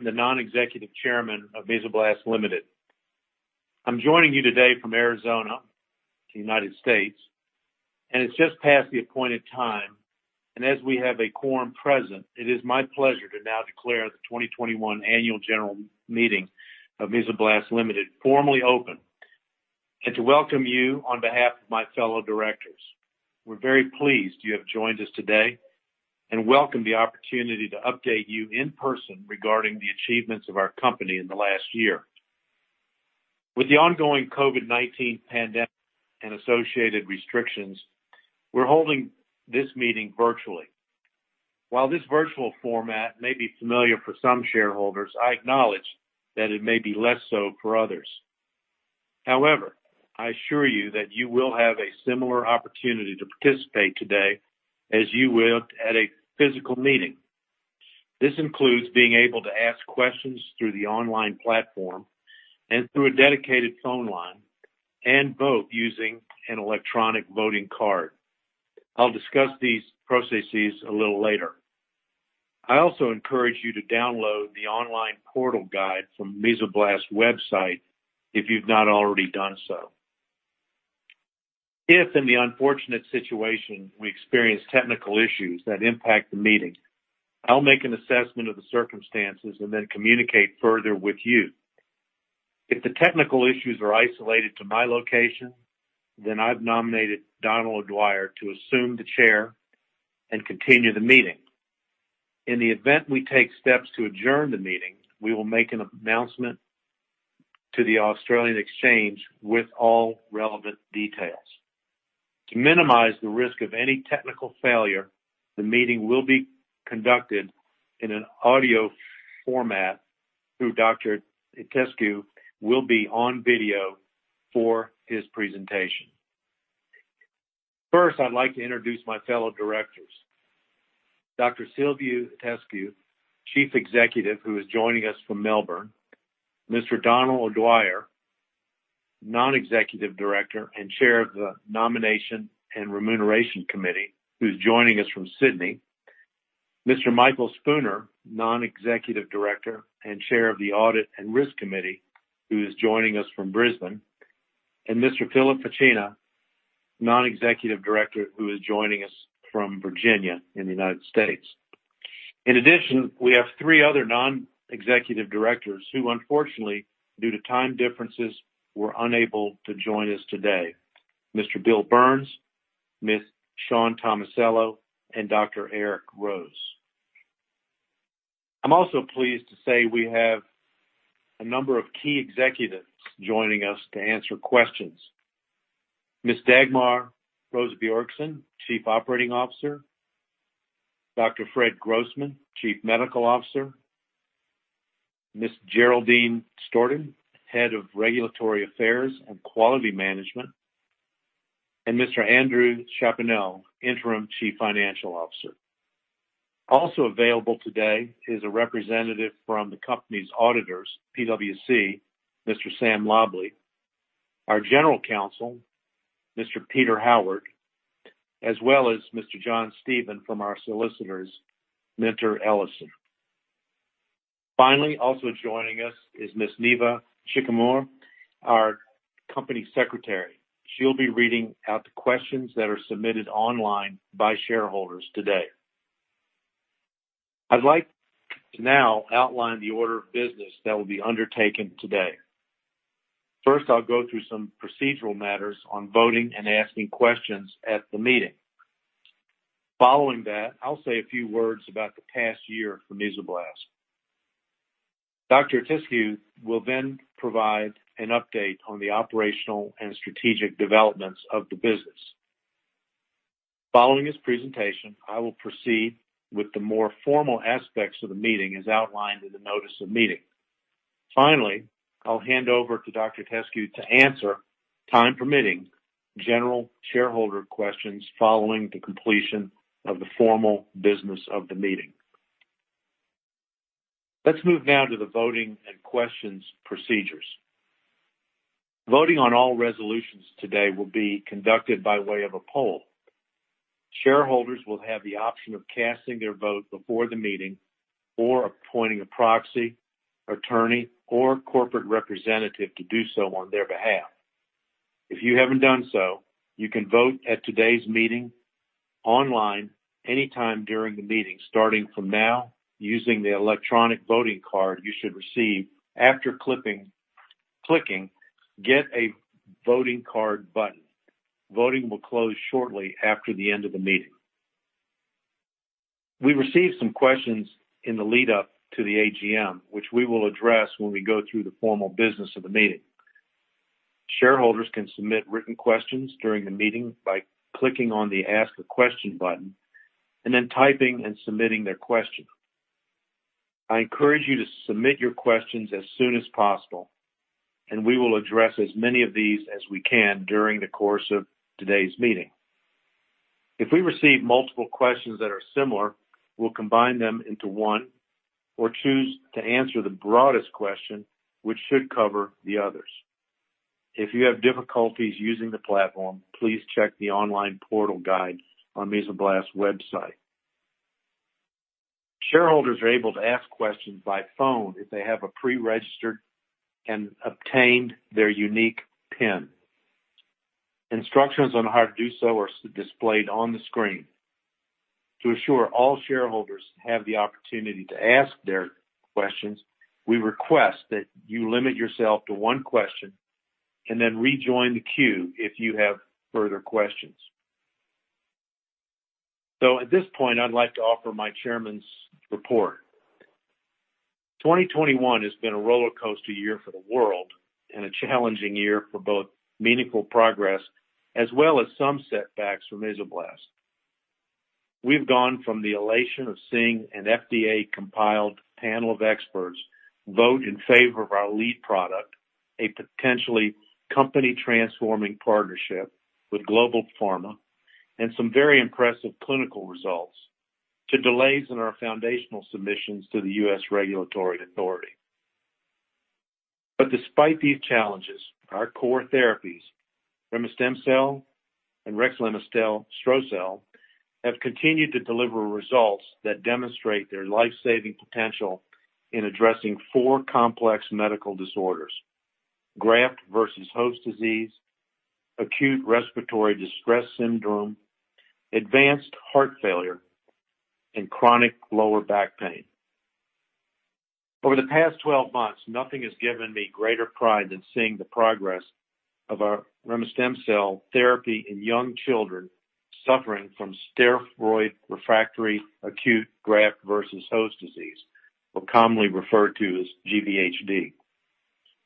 The Non-Executive Chairman of Mesoblast Limited. I'm joining you today from Arizona in the United States, and it's just past the appointed time. As we have a quorum present, it is my pleasure to now declare the 2021 Annual General Meeting of Mesoblast Limited formally open, and to welcome you on behalf of my fellow directors. We're very pleased you have joined us today, and we welcome the opportunity to update you in person regarding the achievements of our company in the last year. With the ongoing COVID-19 pandemic and associated restrictions, we're holding this meeting virtually. While this virtual format may be familiar for some shareholders, I acknowledge that it may be less so for others. However, I assure you that you will have a similar opportunity to participate today as you would at a physical meeting. This includes being able to ask questions through the online platform and through a dedicated phone line, and vote using an electronic voting card. I'll discuss these processes a little later. I also encourage you to download the online portal guide from Mesoblast website if you've not already done so. If in the unfortunate situation we experience technical issues that impact the meeting, I'll make an assessment of the circumstances and then communicate further with you. If the technical issues are isolated to my location, then I've nominated Don O'Dwyer to assume the chair and continue the meeting. In the event we take steps to adjourn the meeting, we will make an announcement to the ASX with all relevant details. To minimize the risk of any technical failure, the meeting will be conducted in an audio format though Dr. Silviu Itescu will be on video for his presentation. First, I'd like to introduce my fellow directors, Dr. Silviu Itescu, Chief Executive, who is joining us from Melbourne. Mr. Donal O'Dwyer, Non-Executive Director and Chair of the Nomination and Remuneration Committee, who's joining us from Sydney. Mr. Michael Spooner, Non-Executive Director and Chair of the Audit and Risk Committee, who is joining us from Brisbane. Mr. Philip Pacina, Non-Executive Director, who is joining us from Virginia in the United States. In addition, we have three other non-executive directors who, unfortunately, due to time differences, were unable to join us today. Mr. Bill Burns, Ms. Shawn Tomasello, and Dr. Eric Rose. I'm also pleased to say we have a number of key executives joining us to answer questions. Ms. Dagmar Rosa-Bjorkeson, Chief Operating Officer. Dr. Fred Grossman, Chief Medical Officer. Ms. Geraldine Storton, Head of Regulatory Affairs and Quality Management. Mr. Andrew Chaponnell, Interim Chief Financial Officer. Also available today is a representative from the company's auditors, PwC, Mr. Sam Lobley, our General Counsel, Mr. Peter Howard, as well as Mr. John Steven from our solicitors, MinterEllison. Finally, also joining us is Ms. Neva Chikamor, our Company Secretary. She'll be reading out the questions that are submitted online by shareholders today. I'd like to now outline the order of business that will be undertaken today. First, I'll go through some procedural matters on voting and asking questions at the meeting. Following that, I'll say a few words about the past year for Mesoblast. Dr. Silviu Itescu will then provide an update on the operational and strategic developments of the business. Following his presentation, I will proceed with the more formal aspects of the meeting as outlined in the notice of meeting. Finally, I'll hand over to Dr. Itescu to answer, time permitting, general shareholder questions following the completion of the formal business of the meeting. Let's move now to the voting and questions procedures. Voting on all resolutions today will be conducted by way of a poll. Shareholders will have the option of casting their vote before the meeting or appointing a proxy, attorney, or corporate representative to do so on their behalf. If you haven't done so, you can vote at today's meeting online anytime during the meeting, starting from now, using the electronic voting card you should receive after clicking Get a Voting Card button. Voting will close shortly after the end of the meeting. We received some questions in the lead up to the AGM, which we will address when we go through the formal business of the meeting. Shareholders can submit written questions during the meeting by clicking on the Ask a Question button and then typing and submitting their question. I encourage you to submit your questions as soon as possible, and we will address as many of these as we can during the course of today's meeting. If we receive multiple questions that are similar, we'll combine them into one or choose to answer the broadest question, which should cover the others. If you have difficulties using the platform, please check the online portal guide on Mesoblast's website. Shareholders are able to ask questions by phone if they have preregistered and obtained their unique pin. Instructions on how to do so are displayed on the screen. To assure all shareholders have the opportunity to ask their questions, we request that you limit yourself to one question and then rejoin the queue if you have further questions. At this point, I'd like to offer my chairman's report. 2021 has been a rollercoaster year for the world and a challenging year for both meaningful progress as well as some setbacks from Mesoblast. We've gone from the elation of seeing an FDA-compiled panel of experts vote in favor of our lead product, a potentially company-transforming partnership with global pharma and some very impressive clinical results, to delays in our foundational submissions to the U.S. regulatory authority. Despite these challenges, our core therapies, remestemcel-L and rexlemestrocel-L, have continued to deliver results that demonstrate their life-saving potential in addressing four complex medical disorders, graft-versus-host disease, acute respiratory distress syndrome, advanced heart failure, and chronic lower back pain. Over the past 12 months, nothing has given me greater pride than seeing the progress of our remestemcel-L therapy in young children suffering from steroid-refractory acute graft-versus-host disease, or commonly referred to as GVHD.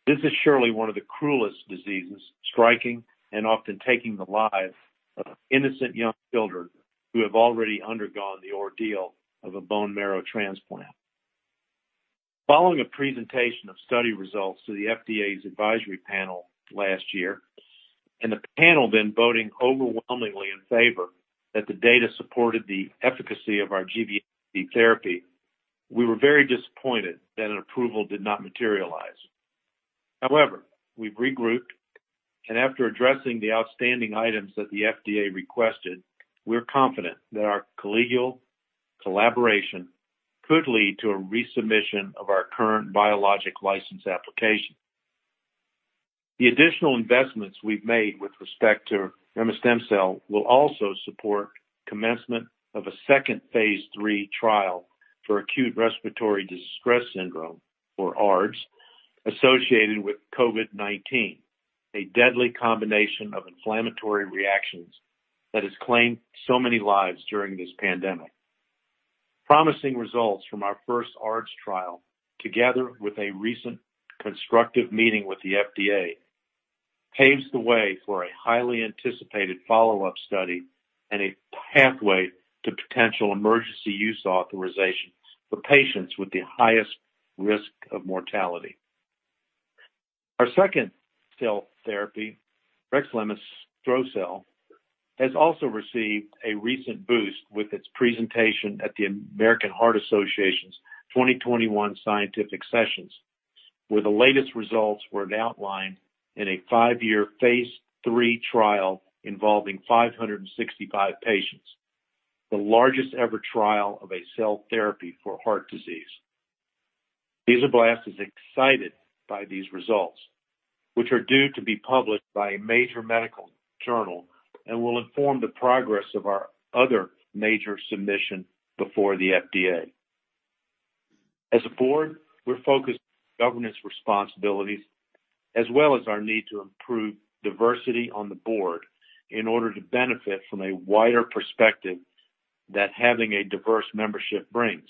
This is surely one of the cruelest diseases striking and often taking the lives of innocent young children who have already undergone the ordeal of a bone marrow transplant. Following a presentation of study results to the FDA's advisory panel last year, and the panel then voting overwhelmingly in favor that the data supported the efficacy of our GVHD therapy, we were very disappointed that an approval did not materialize. However, we've regrouped, and after addressing the outstanding items that the FDA requested, we're confident that our collegial collaboration could lead to a resubmission of our current biologic license application. The additional investments we've made with respect to remestemcel-L will also support commencement of a second phase III trial for acute respiratory distress syndrome, or ARDS, associated with COVID-19, a deadly combination of inflammatory reactions that has claimed so many lives during this pandemic. Promising results from our first ARDS trial, together with a recent constructive meeting with the FDA, paves the way for a highly anticipated follow-up study and a pathway to potential emergency use authorization for patients with the highest risk of mortality. Our second cell therapy, rexlemestrocel-L, has also received a recent boost with its presentation at the American Heart Association's 2021 scientific sessions, where the latest results were outlined in a five-year phase III trial involving 565 patients, the largest ever trial of a cell therapy for heart disease. Mesoblast is excited by these results, which are due to be published by a major medical journal and will inform the progress of our other major submission before the FDA. As a board, we're focused on governance responsibilities as well as our need to improve diversity on the board in order to benefit from a wider perspective that having a diverse membership brings.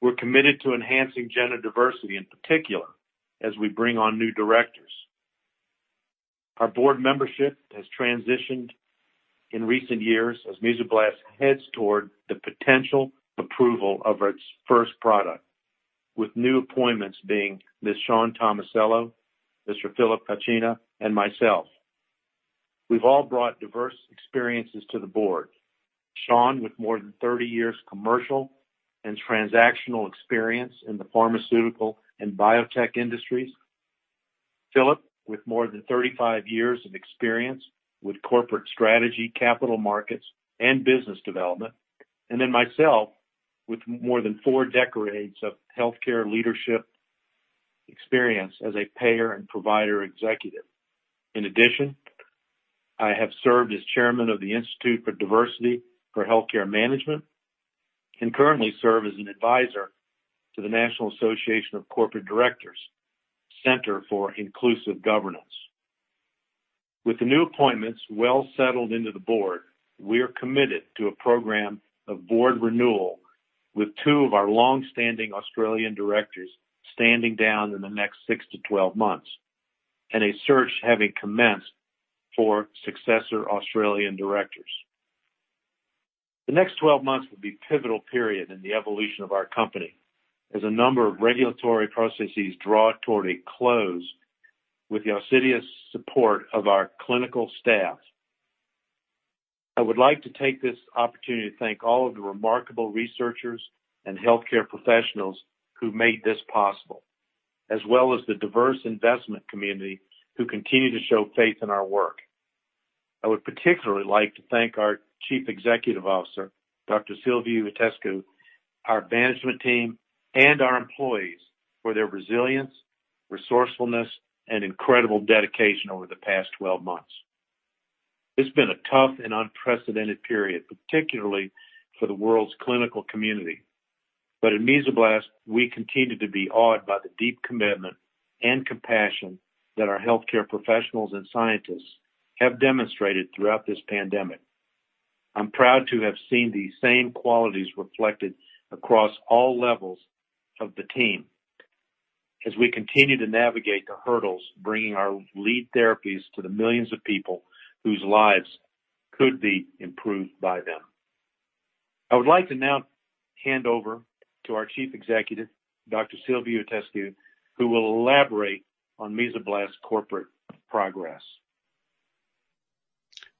We're committed to enhancing gender diversity, in particular, as we bring on new directors. Our board membership has transitioned in recent years as Mesoblast heads toward the potential approval of its first product, with new appointments being Ms. Shawn Tomasello, Mr. Philip Pacina, and myself. We've all brought diverse experiences to the board. Sean with more than 30 years commercial and transactional experience in the pharmaceutical and biotech industries, Philip with more than 35 years of experience with corporate strategy, capital markets, and business development, and then myself with more than four decades of healthcare leadership experience as a payer and provider executive. In addition, I have served as chairman of the Institute for Diversity in Health Management and currently serve as an advisor to the National Association of Corporate Directors Center for Inclusive Governance. With the new appointments well settled into the board, we are committed to a program of board renewal with two of our long-standing Australian directors standing down in the next 6 to 12 months, and a search having commenced for successor Australian directors. The next 12 months will be pivotal period in the evolution of our company as a number of regulatory processes draw toward a close with the assiduous support of our clinical staff. I would like to take this opportunity to thank all of the remarkable researchers and healthcare professionals who made this possible, as well as the diverse investment community who continue to show faith in our work. I would particularly like to thank our Chief Executive Officer, Dr. Silviu Itescu, our management team, and our employees for their resilience, resourcefulness, and incredible dedication over the past 12 months. It's been a tough and unprecedented period, particularly for the world's clinical community. At Mesoblast, we continue to be awed by the deep commitment and compassion that our healthcare professionals and scientists have demonstrated throughout this pandemic. I'm proud to have seen these same qualities reflected across all levels of the team as we continue to navigate the hurdles, bringing our lead therapies to the millions of people whose lives could be improved by them. I would like to now hand over to our Chief Executive, Dr. Silviu Itescu, who will elaborate on Mesoblast's corporate progress.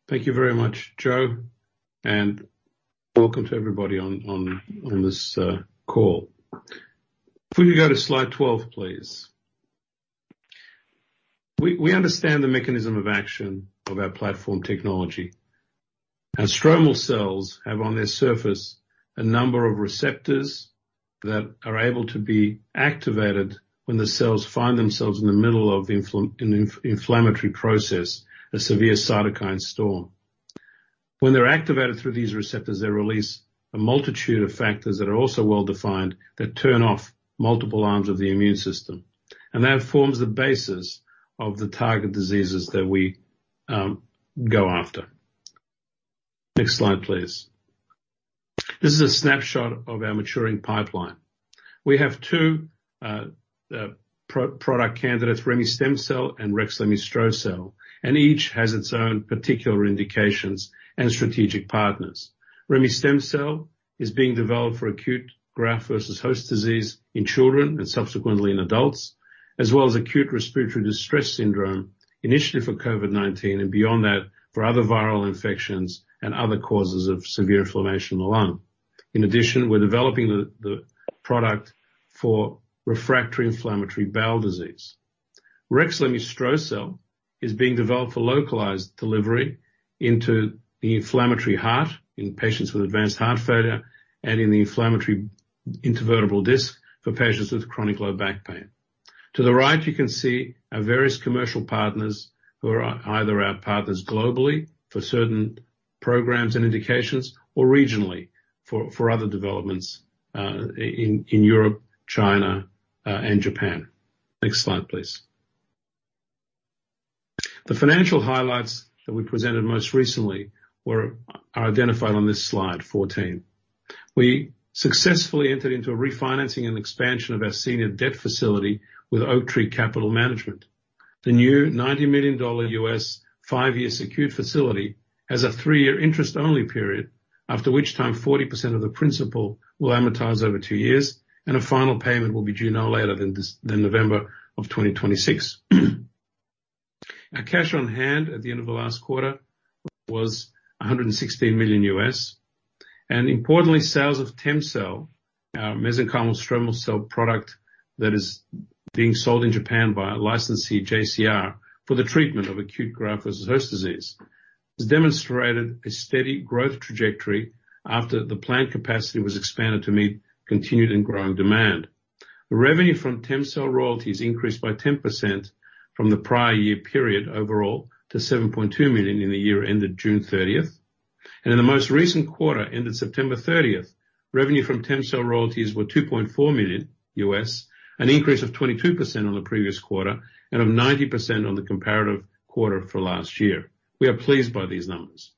Thank you very much, Joe, and welcome to everybody on this call. If we could go to slide 12, please. We understand the mechanism of action of our platform technology. Our stromal cells have, on their surface, a number of receptors that are able to be activated when the cells find themselves in the middle of the inflammatory process, a severe cytokine storm. When they're activated through these receptors, they release a multitude of factors that are also well-defined that turn off multiple arms of the immune system, and that forms the basis of the target diseases that we go after. Next slide, please. This is a snapshot of our maturing pipeline. We have two product candidates, remestemcel-L and rexlemestrocel-L, and each has its own particular indications and strategic partners. Remestemcel-L is being developed for acute graft-versus-host disease in children and subsequently in adults, as well as acute respiratory distress syndrome, initially for COVID-19, and beyond that, for other viral infections and other causes of severe inflammation in the lung. In addition, we're developing the product for refractory inflammatory bowel disease. Rexlemestrocel-L is being developed for localized delivery into the inflammatory heart in patients with advanced heart failure and in the inflammatory intervertebral disc for patients with chronic low back pain. To the right, you can see our various commercial partners who are either our partners globally for certain programs and indications or regionally for other developments in Europe, China, and Japan. Next slide, please. The financial highlights that we presented most recently are identified on this slide, 14. We successfully entered into a refinancing and expansion of our senior debt facility with Oaktree Capital Management. The new $90 million five-year secured facility has a three-year interest-only period, after which time 40% of the principal will amortize over two years, and a final payment will be due no later than November 2026. Our cash on hand at the end of the last quarter was $116 million, and importantly, sales of TEMCELL, our mesenchymal stromal cell product that is being sold in Japan by our licensee JCR for the treatment of acute graft-versus-host disease, has demonstrated a steady growth trajectory after the plant capacity was expanded to meet continued and growing demand. The revenue from TEMCELL royalties increased by 10% from the prior year period overall to $7.2 million in the year ended June 30. In the most recent quarter, ended September 30, revenue from TEMCELL royalties was $2.4 million, an increase of 22% on the previous quarter and of 90% on the comparative quarter for last year. We are pleased by these numbers.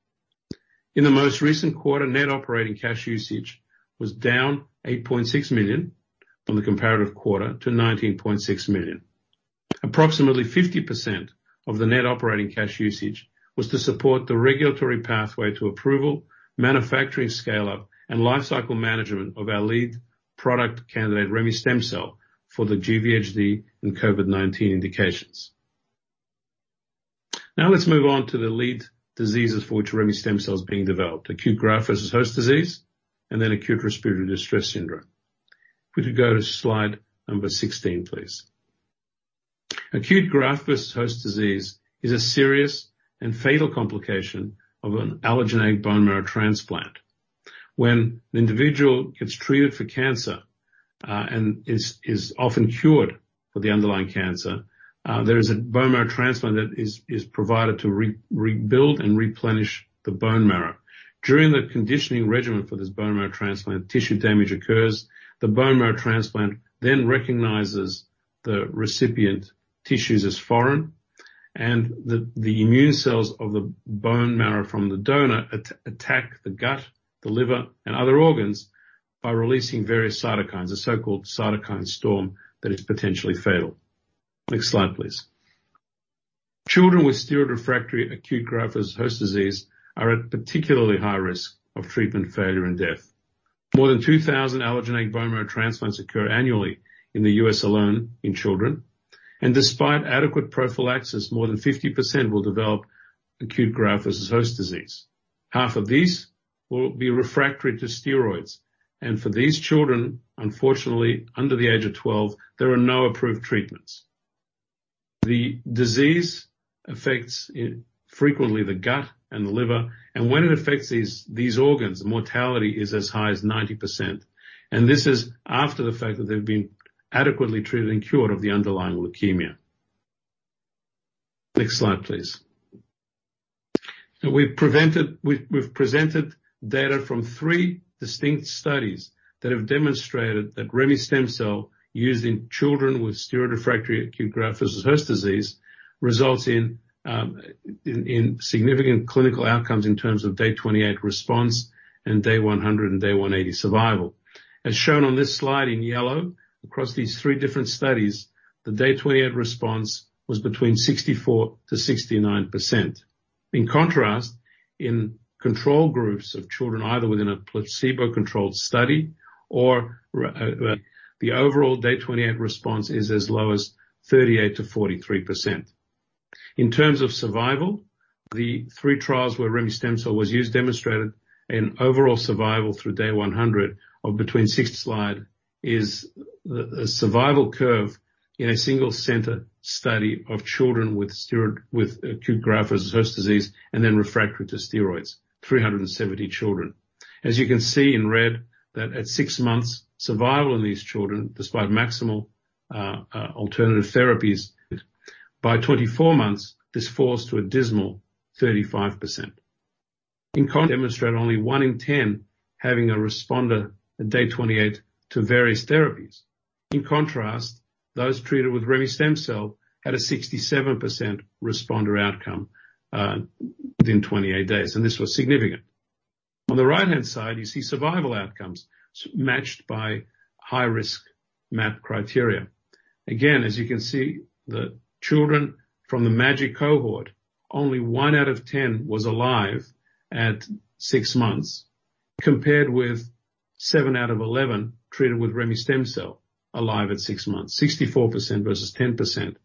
In the most recent quarter, net operating cash usage was down $8.6 million from the comparative quarter to $19.6 million. Approximately 50% of the net operating cash usage was to support the regulatory pathway to approval, manufacturing scale-up, and lifecycle management of our lead product candidate, remestemcel-L, for the GVHD and COVID-19 indications. Now let's move on to the lead diseases for which remestemcel-L is being developed, acute graft-versus-host disease and then acute respiratory distress syndrome. If we could go to slide number 16, please. Acute graft-versus-host disease is a serious and fatal complication of an allogeneic bone marrow transplant. When an individual gets treated for cancer, and is often cured for the underlying cancer, there is a bone marrow transplant that is provided to rebuild and replenish the bone marrow. During the conditioning regimen for this bone marrow transplant, tissue damage occurs. The bone marrow transplant then recognizes the recipient tissues as foreign, and the immune cells of the bone marrow from the donor attack the gut, the liver, and other organs by releasing various cytokines, a so-called cytokine storm, that is potentially fatal. Next slide, please. Children with steroid-refractory acute graft-versus-host disease are at particularly high risk of treatment failure and death. More than 2,000 allogeneic bone marrow transplants occur annually in the U.S. alone in children, and despite adequate prophylaxis, more than 50% will develop acute graft-versus-host disease. Half of these will be refractory to steroids, and for these children, unfortunately, under the age of 12, there are no approved treatments. The disease affects frequently the gut and the liver, and when it affects these organs, the mortality is as high as 90%. This is after the fact that they've been adequately treated and cured of the underlying leukemia. Next slide, please. We've presented data from three distinct studies that have demonstrated that remestemcel-L used in children with steroid-refractory acute graft-versus-host disease results in significant clinical outcomes in terms of day 28 response and day 100 and day 180 survival. As shown on this slide in yellow across these three different studies, the day 28 response was between 64%-69%. In contrast, in control groups of children, either within a placebo-controlled study or the overall day 28 response is as low as 38%-43%. In terms of survival, the three trials where remestemcel-L was used demonstrated an overall survival through day 100. Slide is the survival curve in a single center study of children with acute graft-versus-host disease and then refractory to steroids, 370 children. As you can see in red that at six months, survival in these children, despite maximal alternative therapies, by 24 months falls to a dismal 35%. They demonstrate only one in 10 having a responder at day 28 to various therapies. In contrast, those treated with remestemcel-L had a 67% responder outcome within 28 days, and this was significant. On the right-hand side, you see survival outcomes matched by high-risk MAP criteria. Again, as you can see, the children from the MAGIC cohort, only one out of 10 was alive at six months, compared with seven out of 11 treated with remestemcel-L alive at 6sixmonths. 64% versus 10%,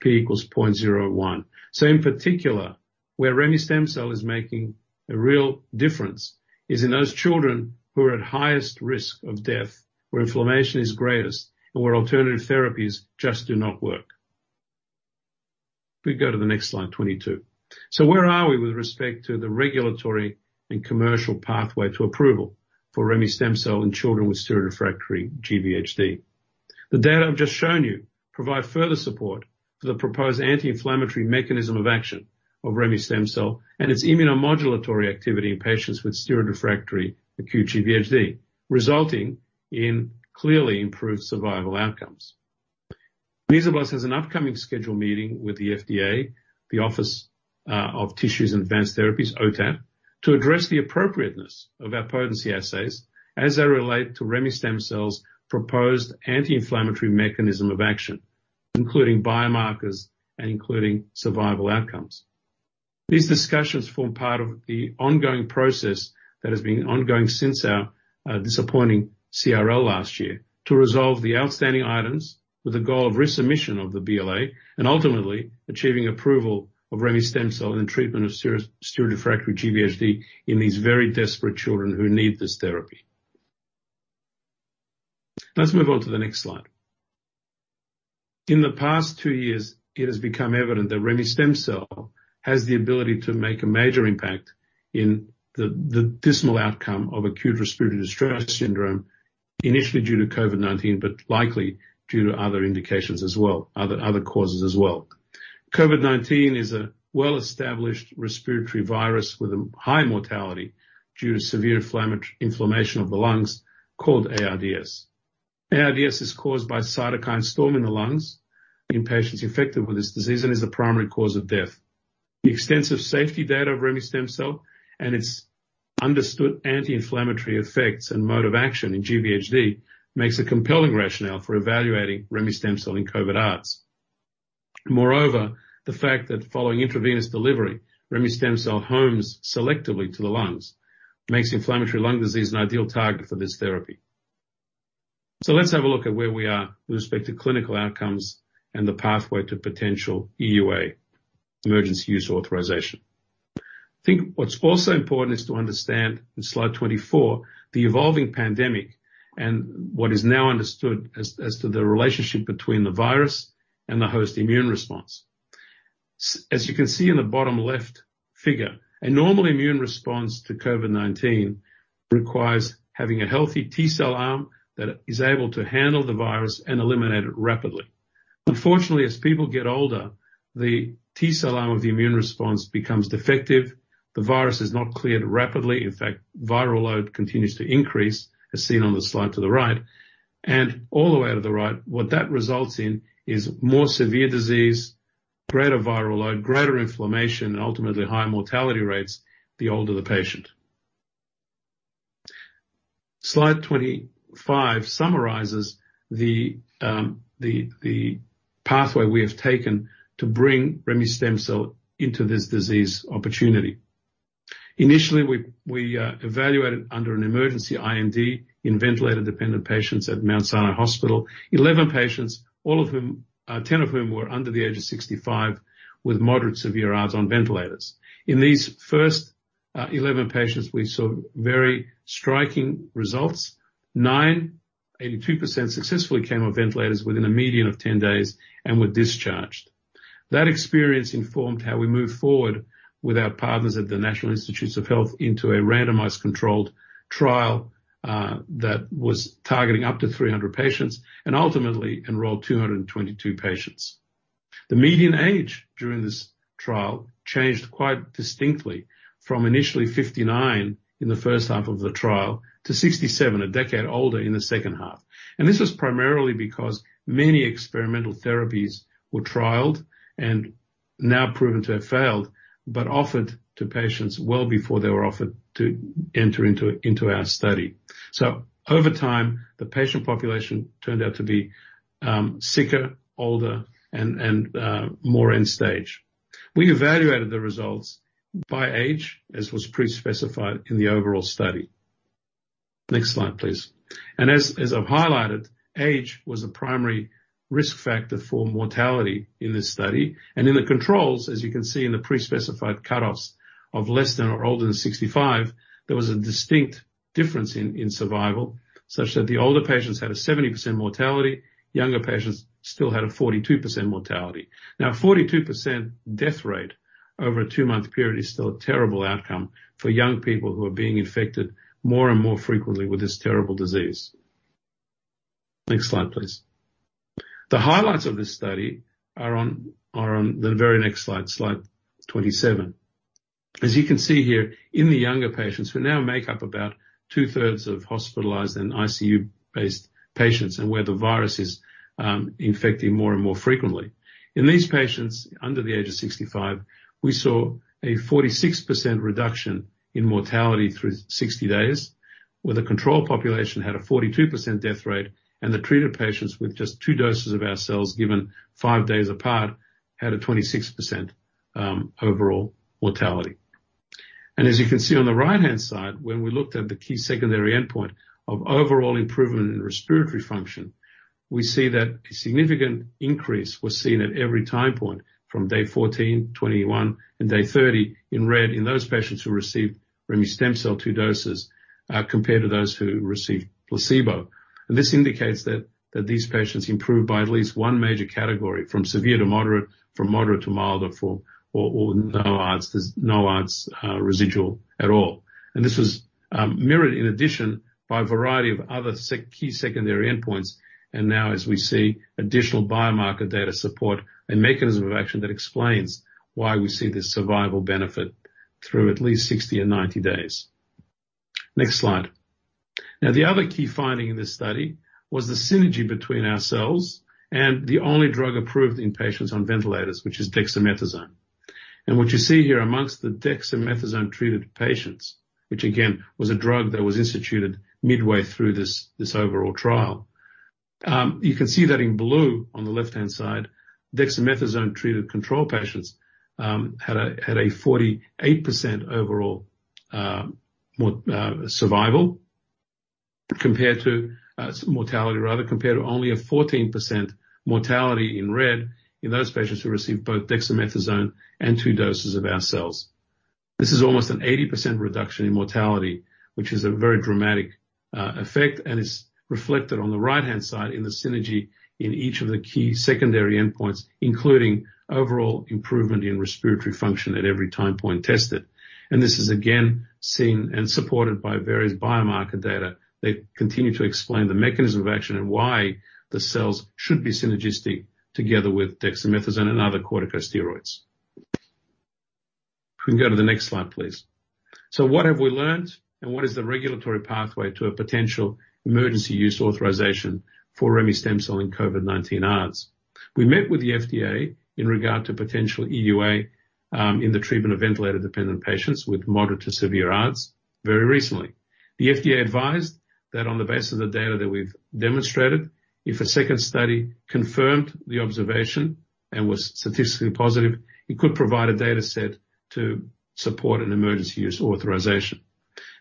P = 0.01. In particular, where remestemcel-L is making a real difference is in those children who are at highest risk of death, where inflammation is greatest, and where alternative therapies just do not work. If we go to the next slide, 22. Where are we with respect to the regulatory and commercial pathway to approval for remestemcel-L in children with steroid-refractory GVHD? The data I've just shown you provide further support for the proposed anti-inflammatory mechanism of action of remestemcel-L and its immunomodulatory activity in patients with steroid-refractory acute GVHD, resulting in clearly improved survival outcomes. Mesoblast has an upcoming scheduled meeting with the FDA, the Office of Tissues and Advanced Therapies, OTAT, to address the appropriateness of our potency assays as they relate to remestemcel-L's proposed anti-inflammatory mechanism of action, including biomarkers and including survival outcomes. These discussions form part of the ongoing process that has been ongoing since our disappointing CRL last year to resolve the outstanding items with the goal of resubmission of the BLA and ultimately achieving approval of remestemcel in treatment of steroid-refractory GVHD in these very desperate children who need this therapy. Let's move on to the next slide. In the past two years, it has become evident that remestemcel has the ability to make a major impact in the dismal outcome of acute respiratory distress syndrome, initially due to COVID-19, but likely due to other indications as well, other causes as well. COVID-19 is a well-established respiratory virus with a high mortality due to severe inflammation of the lungs called ARDS. ARDS is caused by cytokine storm in the lungs in patients affected with this disease and is the primary cause of death. The extensive safety data of remestemcel-L and its understood anti-inflammatory effects and mode of action in GVHD makes a compelling rationale for evaluating remestemcel-L in COVID-ARDS. Moreover, the fact that following intravenous delivery, remestemcel-L homes selectively to the lungs, makes inflammatory lung disease an ideal target for this therapy. Let's have a look at where we are with respect to clinical outcomes and the pathway to potential EUA, Emergency Use Authorization. I think what's also important is to understand, in slide 24, the evolving pandemic and what is now understood as to the relationship between the virus and the host immune response. As you can see in the bottom left figure, a normal immune response to COVID-19 requires having a healthy T cell arm that is able to handle the virus and eliminate it rapidly. Unfortunately, as people get older, the T cell arm of the immune response becomes defective. The virus is not cleared rapidly. In fact, viral load continues to increase, as seen on the slide to the right. All the way to the right, what that results in is more severe disease, greater viral load, greater inflammation, and ultimately higher mortality rates, the older the patient. Slide 25 summarizes the pathway we have taken to bring remestemcel-L into this disease opportunity. Initially, we evaluated under an emergency IND in ventilator-dependent patients at Mount Sinai Hospital. 11 patients, all of whom ten of whom were under the age of 65 with moderate severe ARDS on ventilators. In these first 11 patients, we saw very striking results. 82% successfully came off ventilators within a median of 10 days and were discharged. That experience informed how we moved forward with our partners at the National Institutes of Health into a randomized controlled trial that was targeting up to 300 patients, and ultimately enrolled 222 patients. The median age during this trial changed quite distinctly from initially 59 in the first half of the trial to 67, a decade older in the second half. This was primarily because many experimental therapies were trialed and now proven to have failed, but offered to patients well before they were offered to enter into our study. Over time, the patient population turned out to be sicker, older and more end-stage. We evaluated the results by age, as was pre-specified in the overall study. Next slide, please. As I've highlighted, age was a primary risk factor for mortality in this study, and in the controls, as you can see in the pre-specified cutoffs of less than or older than 65, there was a distinct difference in survival, such that the older patients had a 70% mortality, younger patients still had a 42% mortality. Now, a 42% death rate over a two-month period is still a terrible outcome for young people who are being infected more and more frequently with this terrible disease. Next slide, please. The highlights of this study are on the very next slide 27. As you can see here, in the younger patients who now make up about two-thirds of hospitalized and ICU-based patients, and where the virus is infecting more and more frequently. In these patients under the age of 65, we saw a 46% reduction in mortality through 60 days, where the control population had a 42% death rate, and the treated patients with just two doses of our cells given five days apart had a 26% overall mortality. As you can see on the right-hand side, when we looked at the key secondary endpoint of overall improvement in respiratory function, we see that a significant increase was seen at every time point from day 14, 21, and day 30 in red in those patients who received remestemcel-L 2 doses compared to those who received placebo. This indicates that these patients improved by at least one major category from severe to moderate, from moderate to mild, or to no ARDS residual at all. This was mirrored in addition by a variety of other key secondary endpoints, and now as we see additional biomarker data support a mechanism of action that explains why we see this survival benefit through at least 60 and 90 days. Next slide. Now, the other key finding in this study was the synergy between our cells and the only drug approved in patients on ventilators, which is dexamethasone. What you see here amongst the dexamethasone-treated patients, which again was a drug that was instituted midway through this overall trial. You can see that in blue on the left-hand side, dexamethasone-treated control patients had a 48% overall mortality rather, compared to only a 14% mortality in red in those patients who received both dexamethasone and two doses of our cells. This is almost an 80% reduction in mortality, which is a very dramatic effect and is reflected on the right-hand side in the synergy in each of the key secondary endpoints, including overall improvement in respiratory function at every time point tested. This is again seen and supported by various biomarker data that continue to explain the mechanism of action and why the cells should be synergistic together with dexamethasone and other corticosteroids. If we can go to the next slide, please. What have we learned, and what is the regulatory pathway to a potential emergency use authorization for remestemcel-L in COVID-19 ARDS? We met with the FDA in regard to potential EUA in the treatment of ventilator-dependent patients with moderate to severe ARDS very recently. The FDA advised that on the basis of the data that we've demonstrated, if a second study confirmed the observation and was statistically positive, it could provide a data set to support an emergency use authorization.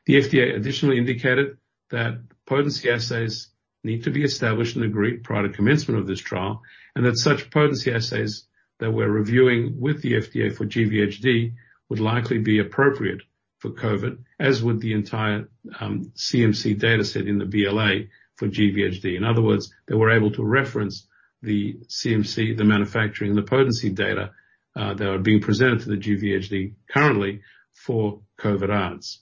The FDA additionally indicated that potency assays need to be established and agreed prior to commencement of this trial, and that such potency assays that we're reviewing with the FDA for GVHD would likely be appropriate for COVID, as would the entire, CMC data set in the BLA for GVHD. In other words, they were able to reference the CMC, the manufacturing and the potency data, that are being presented to GVHD currently for COVID ARDS.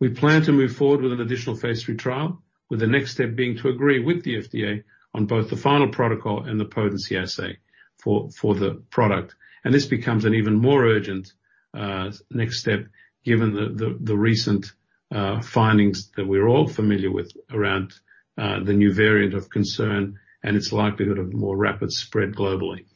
We plan to move forward with an additional phase III trial, with the next step being to agree with the FDA on both the final protocol and the potency assay for the product. This becomes an even more urgent next step given the recent findings that we're all familiar with around the new variant of concern and its likelihood of more rapid spread globally.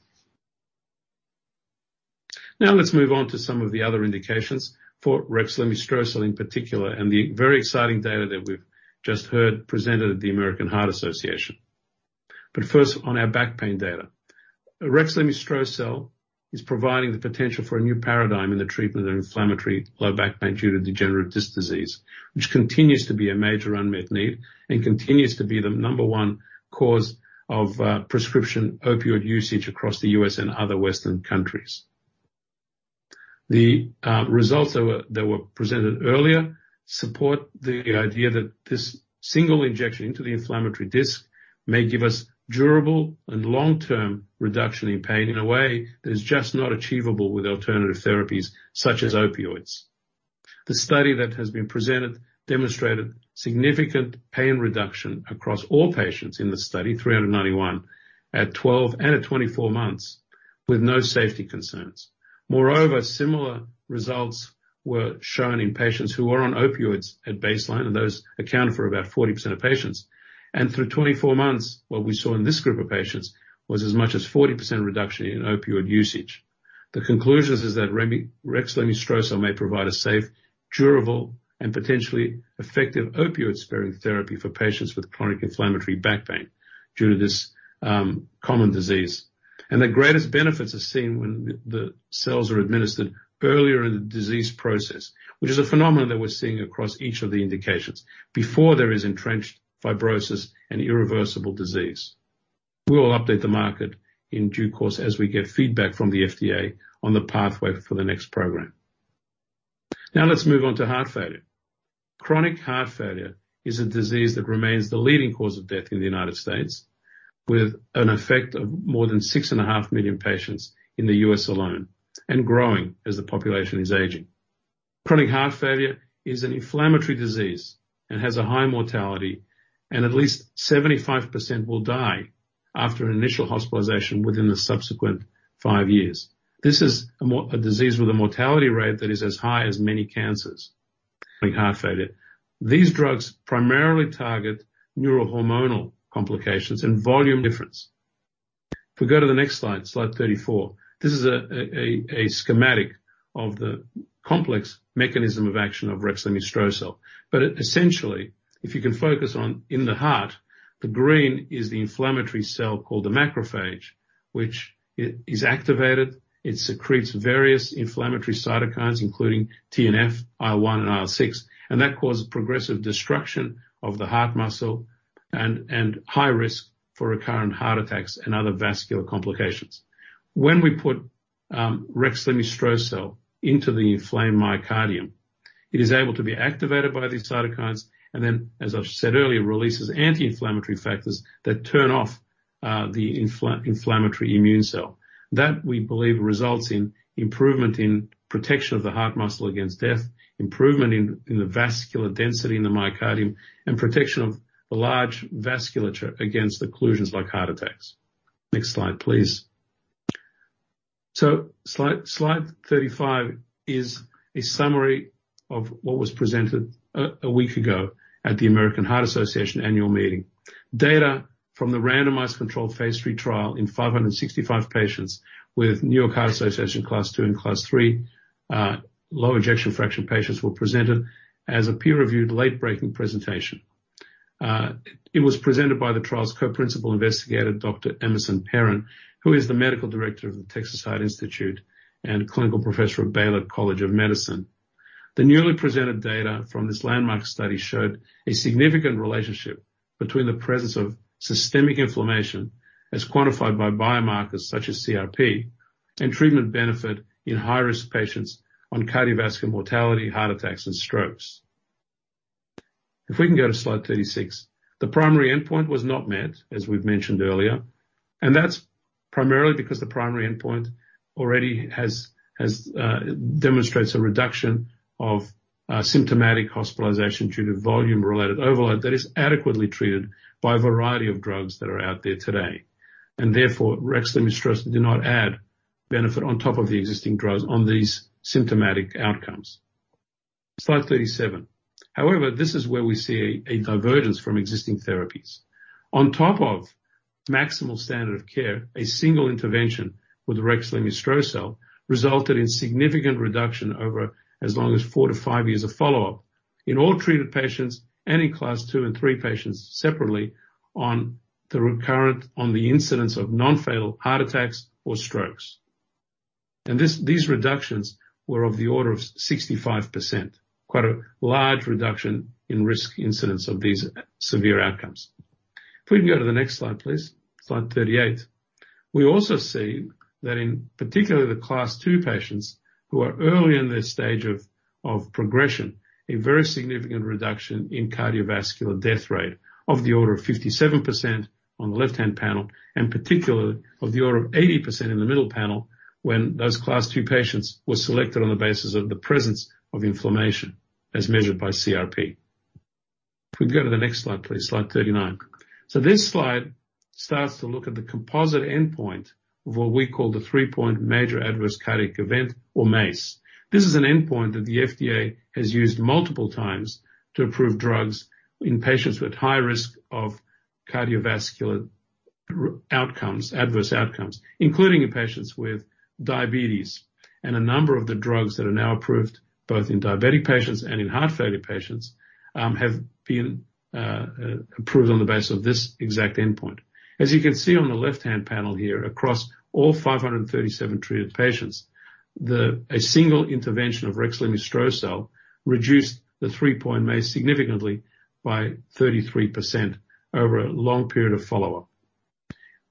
Now let's move on to some of the other indications for rexlemestrocel-L in particular, and the very exciting data that we've just heard presented at the American Heart Association. First, on our back pain data. Rexlemestrocel-L is providing the potential for a new paradigm in the treatment of inflammatory low back pain due to degenerative disc disease, which continues to be a major unmet need and continues to be the number one cause of prescription opioid usage across the U.S. and other Western countries. The results that were presented earlier support the idea that this single injection into the inflammatory disk may give us durable and long-term reduction in pain in a way that is just not achievable with alternative therapies such as opioids. The study that has been presented demonstrated significant pain reduction across all patients in the study, 391, at 12 and at 24 months, with no safety concerns. Moreover, similar results were shown in patients who were on opioids at baseline, and those accounted for about 40% of patients. Through 24 months, what we saw in this group of patients was as much as 40% reduction in opioid usage. The conclusion is that rexlemestrocel-L may provide a safe, durable, and potentially effective opioid-sparing therapy for patients with chronic inflammatory back pain due to this common disease. The greatest benefits are seen when the cells are administered earlier in the disease process, which is a phenomenon that we're seeing across each of the indications before there is entrenched fibrosis and irreversible disease. We will update the market in due course as we get feedback from the FDA on the pathway for the next program. Now let's move on to heart failure. Chronic heart failure is a disease that remains the leading cause of death in the United States, affecting more than 6.5 million patients in the U.S. alone, and growing as the population is aging. Chronic heart failure is an inflammatory disease and has a high mortality, and at least 75% will die after initial hospitalization within the subsequent five years. This is a disease with a mortality rate that is as high as many cancers. In heart failure, these drugs primarily target neurohormonal complications and volume difference. If we go to the next slide 34. This is a schematic of the complex mechanism of action of rexlemestrocel-L. Essentially, if you can focus on in the heart, the green is the inflammatory cell called the macrophage, which is activated. It secretes various inflammatory cytokines, including TNF, IL-1, and IL-6, and that causes progressive destruction of the heart muscle and high risk for recurrent heart attacks and other vascular complications. When we put rexlemestrocel-L into the inflamed myocardium, it is able to be activated by these cytokines and then, as I've said earlier, releases anti-inflammatory factors that turn off the inflammatory immune cell. That, we believe, results in improvement in protection of the heart muscle against death, improvement in the vascular density in the myocardium, and protection of the large vasculature against occlusions like heart attacks. Next slide, please. Slide 35 is a summary of what was presented a week ago at the American Heart Association annual meeting. Data from the randomized controlled phase III trial in 565 patients with New York Heart Association Class 2 and Class 3 low ejection fraction patients were presented as a peer-reviewed, late-breaking presentation. It was presented by the trial's co-principal investigator, Dr. Emerson Perin, who is the medical director of the Texas Heart Institute and clinical professor at Baylor College of Medicine. The newly presented data from this landmark study showed a significant relationship between the presence of systemic inflammation as quantified by biomarkers such as CRP and treatment benefit in high-risk patients on cardiovascular mortality, heart attacks, and strokes. If we can go to slide 36. The primary endpoint was not met, as we've mentioned earlier, and that's primarily because the primary endpoint already demonstrates a reduction of symptomatic hospitalization due to volume-related overload that is adequately treated by a variety of drugs that are out there today. Therefore, rexlemestrocel-L did not add benefit on top of the existing drugs on these symptomatic outcomes. Slide 37. However, this is where we see a divergence from existing therapies. On top of maximal standard of care, a single intervention with rexlemestrocel-L resulted in significant reduction over as long as four-five years of follow-up in all treated patients and in Class II and III patients separately on the incidence of non-fatal heart attacks or strokes. These reductions were of the order of 65%, quite a large reduction in risk incidence of these severe outcomes. If we can go to the next slide, please. Slide 38. We also see that in particularly the Class II patients who are early in their stage of progression, a very significant reduction in cardiovascular death rate of the order of 57% on the left-hand panel, and particularly of the order of 80% in the middle panel when those Class II patients were selected on the basis of the presence of inflammation as measured by CRP. If we can go to the next slide, please. Slide 39. This slide starts to look at the composite endpoint of what we call the three-point Major Adverse Cardiac Event, or MACE. This is an endpoint that the FDA has used multiple times to approve drugs in patients with high risk of cardiovascular outcomes, adverse outcomes, including in patients with diabetes, and a number of the drugs that are now approved, both in diabetic patients and in heart failure patients, have been approved on the basis of this exact endpoint. As you can see on the left-hand panel here, across all 537 treated patients, a single intervention of rexlemestrocel-L reduced the three-point MACE significantly by 33% over a long period of follow-up.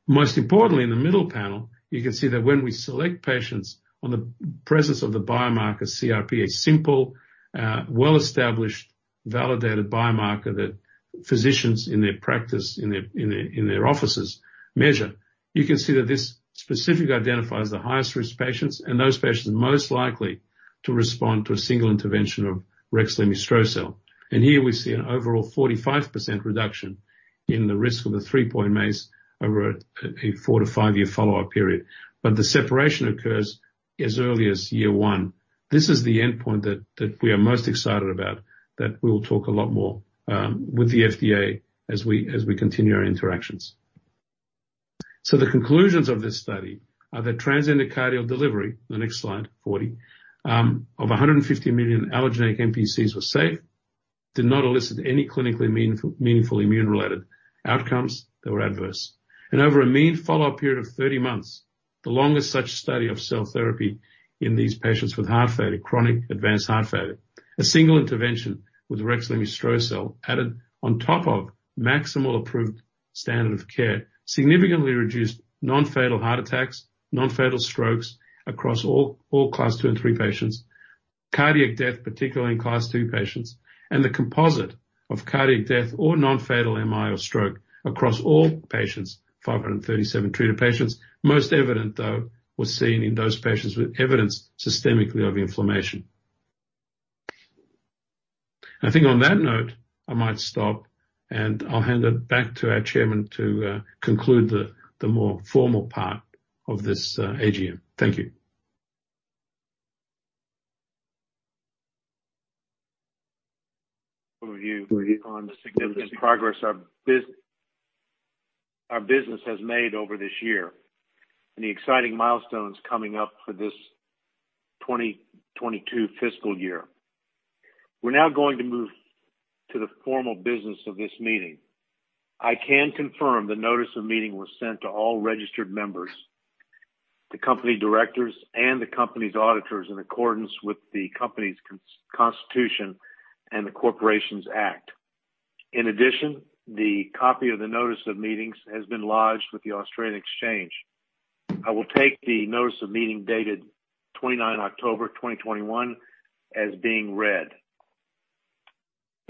Most importantly, in the middle panel, you can see that when we select patients on the presence of the biomarker CRP, a simple, well-established, validated biomarker that physicians in their practice, in their offices measure, you can see that this specifically identifies the highest-risk patients and those patients most likely to respond to a single intervention of rexlemestrocel-L. Here we see an overall 45% reduction in the risk of a three-point MACE over a four-five-year follow-up period. The separation occurs as early as year one. This is the endpoint that we are most excited about, that we'll talk a lot more with the FDA as we continue our interactions. The conclusions of this study are that transendocardial delivery, the next slide, 40 of 150 million allogeneic MPCs was safe, did not elicit any clinically meaningful immune-related outcomes that were adverse. Over a mean follow-up period of 30 months, the longest such study of cell therapy in these patients with heart failure, chronic advanced heart failure. A single intervention with rexlemestrocel-L added on top of maximal approved standard of care, significantly reduced non-fatal heart attacks, non-fatal strokes across all Class 2 and 3 patients, cardiac death, particularly in Class 2 patients, and the composite of cardiac death or non-fatal MI or stroke across all patients, 537 treated patients. Most evident, though, was seen in those patients with evidence systemically of inflammation. I think on that note, I might stop, and I'll hand it back to our Chairman to conclude the more formal part of this AGM. Thank you. Overview on the significant progress our business has made over this year, and the exciting milestones coming up for this 2022 fiscal year. We're now going to move to the formal business of this meeting. I can confirm the notice of meeting was sent to all registered members, the company directors, and the company's auditors in accordance with the company's constitution and the Corporations Act. In addition, the copy of the notice of meetings has been lodged with the Australian Securities Exchange.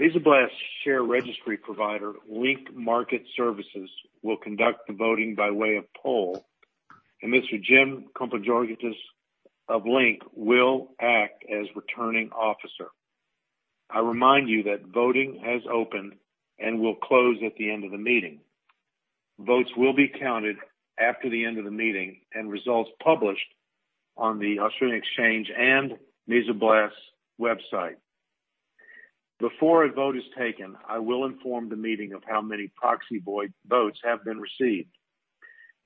I will take the notice of meeting dated 29 October 2021 as being read. Mesoblast's share registry provider, Link Market Services, will conduct the voting by way of poll, and Mr. Jim Kampouropoulos of Link will act as Returning Officer. I remind you that voting has opened and will close at the end of the meeting. Votes will be counted after the end of the meeting and results published on the ASX and Mesoblast's website. Before a vote is taken, I will inform the meeting of how many proxy votes have been received.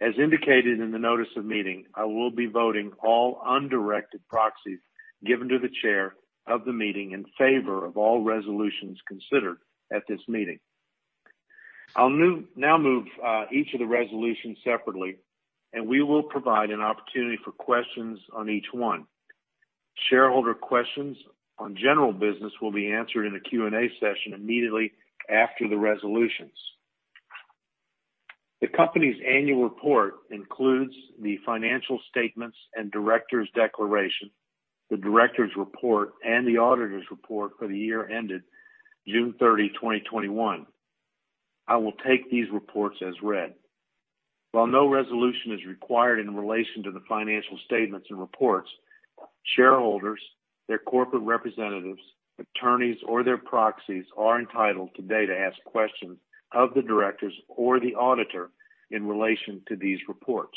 As indicated in the notice of meeting, I will be voting all undirected proxies given to the chair of the meeting in favor of all resolutions considered at this meeting. I'll now move each of the resolutions separately, and we will provide an opportunity for questions on each one. Shareholder questions on general business will be answered in a Q&A session immediately after the resolutions. The company's annual report includes the financial statements and directors' declaration, the directors' report, and the auditors' report for the year ended June 30, 2021. I will take these reports as read. While no resolution is required in relation to the financial statements and reports, shareholders, their corporate representatives, attorneys, or their proxies are entitled today to ask questions of the directors or the auditor in relation to these reports.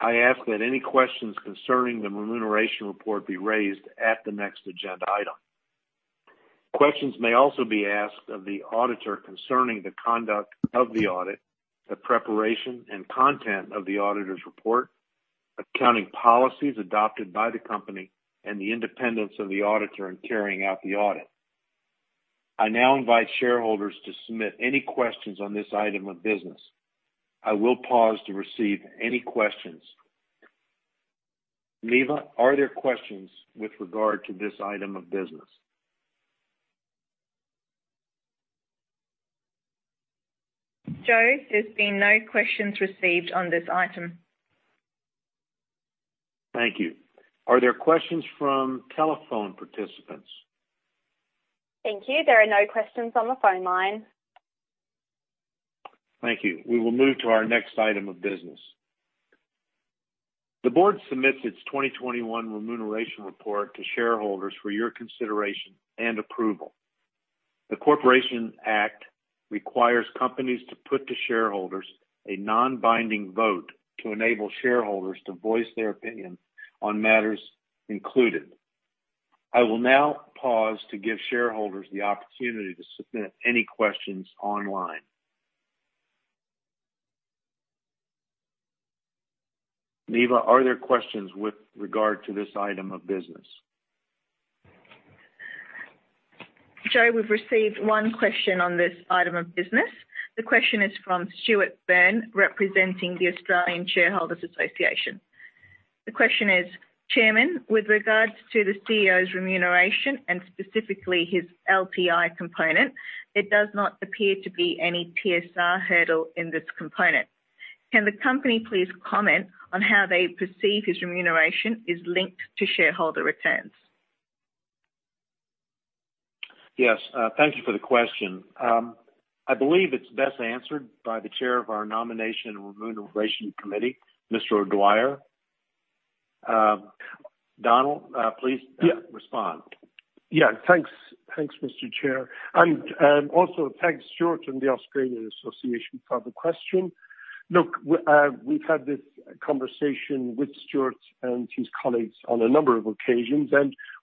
I ask that any questions concerning the remuneration report be raised at the next agenda item. Questions may also be asked of the auditor concerning the conduct of the audit, the preparation and content of the auditor's report, accounting policies adopted by the company, and the independence of the auditor in carrying out the audit. I now invite shareholders to submit any questions on this item of business. I will pause to receive any questions. Neva, are there questions with regard to this item of business? Joe, there's been no questions received on this item. Thank you. Are there questions from telephone participants? Thank you. There are no questions on the phone line. Thank you. We will move to our next item of business. The board submits its 2021 remuneration report to shareholders for your consideration and approval. The Corporations Act requires companies to put to shareholders a non-binding vote to enable shareholders to voice their opinion on matters included. I will now pause to give shareholders the opportunity to submit any questions online. Neva, are there questions with regard to this item of business? Joe, we've received one question on this item of business. The question is from Stuart Burn, representing the Australian Shareholders' Association. The question is, Chairman, with regards to the CEO's remuneration and specifically his LTI component, it does not appear to be any TSR hurdle in this component. Can the company please comment on how they perceive his remuneration is linked to shareholder returns? Yes. Thank you for the question. I believe it's best answered by the chair of our nomination and remuneration committee, Mr. O'Dwyer. Donal, please respond. Yeah. Thanks, Mr. Chair. Also thanks, Stuart and the Australian Shareholders Association for the question. Look, we've had this conversation with Stuart and his colleagues on a number of occasions.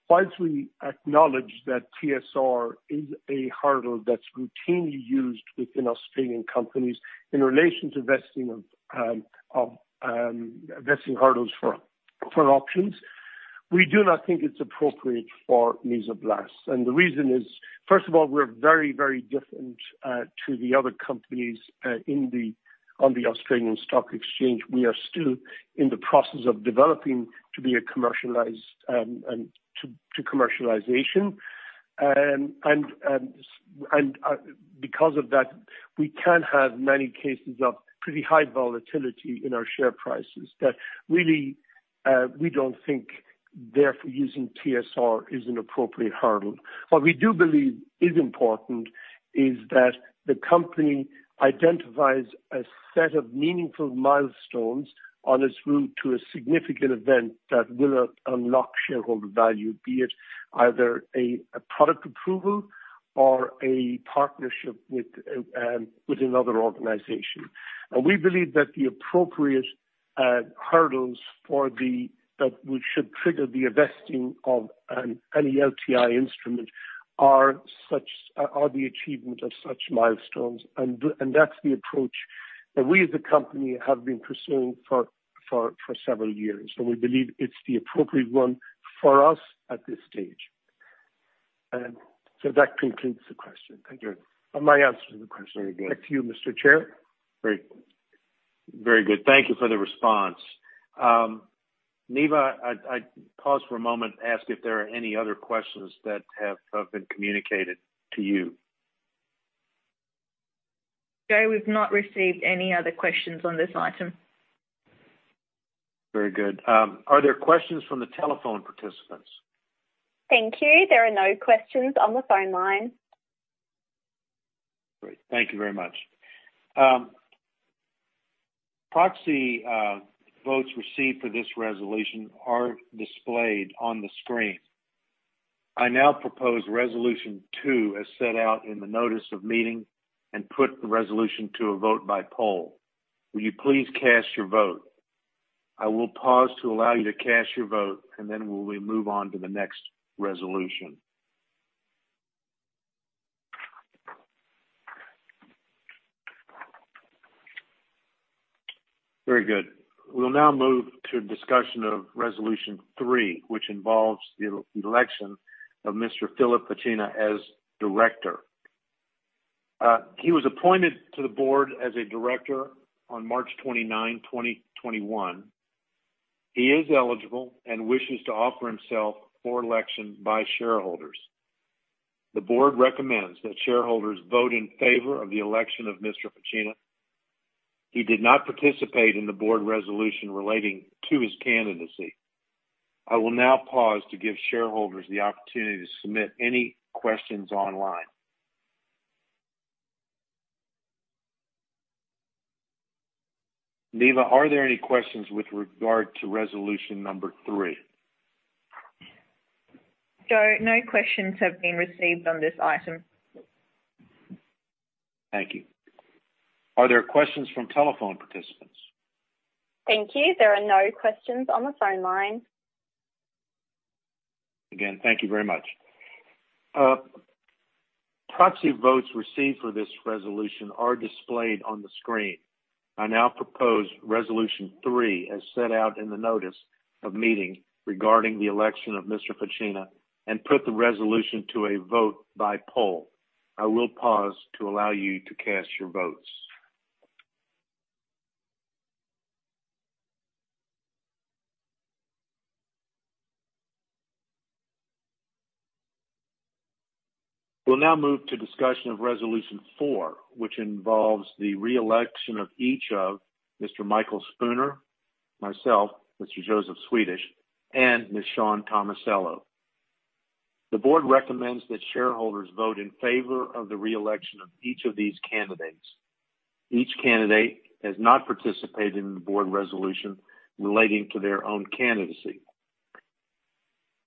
Whilst we acknowledge that TSR is a hurdle that's routinely used within Australian companies in relation to vesting hurdles for options, we do not think it's appropriate for Mesoblast. The reason is, first of all, we're very different to the other companies on the Australian Securities Exchange. We are still in the process of developing to be commercialized to commercialization. Because of that, we can have many cases of pretty high volatility in our share prices that really we don't think therefore using TSR is an appropriate hurdle. What we do believe is important is that the company identifies a set of meaningful milestones on its route to a significant event that will unlock shareholder value, be it either a product approval or a partnership with another organization. We believe that the appropriate hurdles that we should trigger the investing of any LTI instrument are the achievement of such milestones. That's the approach that we as a company have been pursuing for several years, and we believe it's the appropriate one for us at this stage. That concludes the question. Thank you. Or my answer to the question. Very good. Back to you, Mr. Chair. Very, very good. Thank you for the response. Neva, I pause for a moment to ask if there are any other questions that have been communicated to you. Joe, we've not received any other questions on this item. Very good. Are there questions from the telephone participants? Thank you. There are no questions on the phone line. Great. Thank you very much. Proxy votes received for this resolution are displayed on the screen. I now propose resolution two as set out in the notice of meeting, and put the resolution to a vote by poll. Will you please cast your vote? I will pause to allow you to cast your vote, and then we will move on to the next resolution. Very good. We'll now move to discussion of resolution three, which involves the election of Mr. Philip Pacina as director. He was appointed to the board as a director on March 29, 2021. He is eligible and wishes to offer himself for election by shareholders. The board recommends that shareholders vote in favor of the election of Mr. Pacina. He did not participate in the board resolution relating to his candidacy. I will now pause to give shareholders the opportunity to submit any questions online. Neva, are there any questions with regard to resolution number three? Joe, no questions have been received on this item. Thank you. Are there questions from telephone participants? Thank you. There are no questions on the phone line. Again, thank you very much. Proxy votes received for this resolution are displayed on the screen. I now propose resolution three, as set out in the notice of meeting regarding the election of Mr. Pacina and put the resolution to a vote by poll. I will pause to allow you to cast your votes. We'll now move to discussion of resolution four, which involves the re-election of each of Mr. Michael Spooner, myself, Mr. Joseph Swedish, and Ms. Shawn Tomasello. The board recommends that shareholders vote in favor of the re-election of each of these candidates. Each candidate has not participated in the board resolution relating to their own candidacy.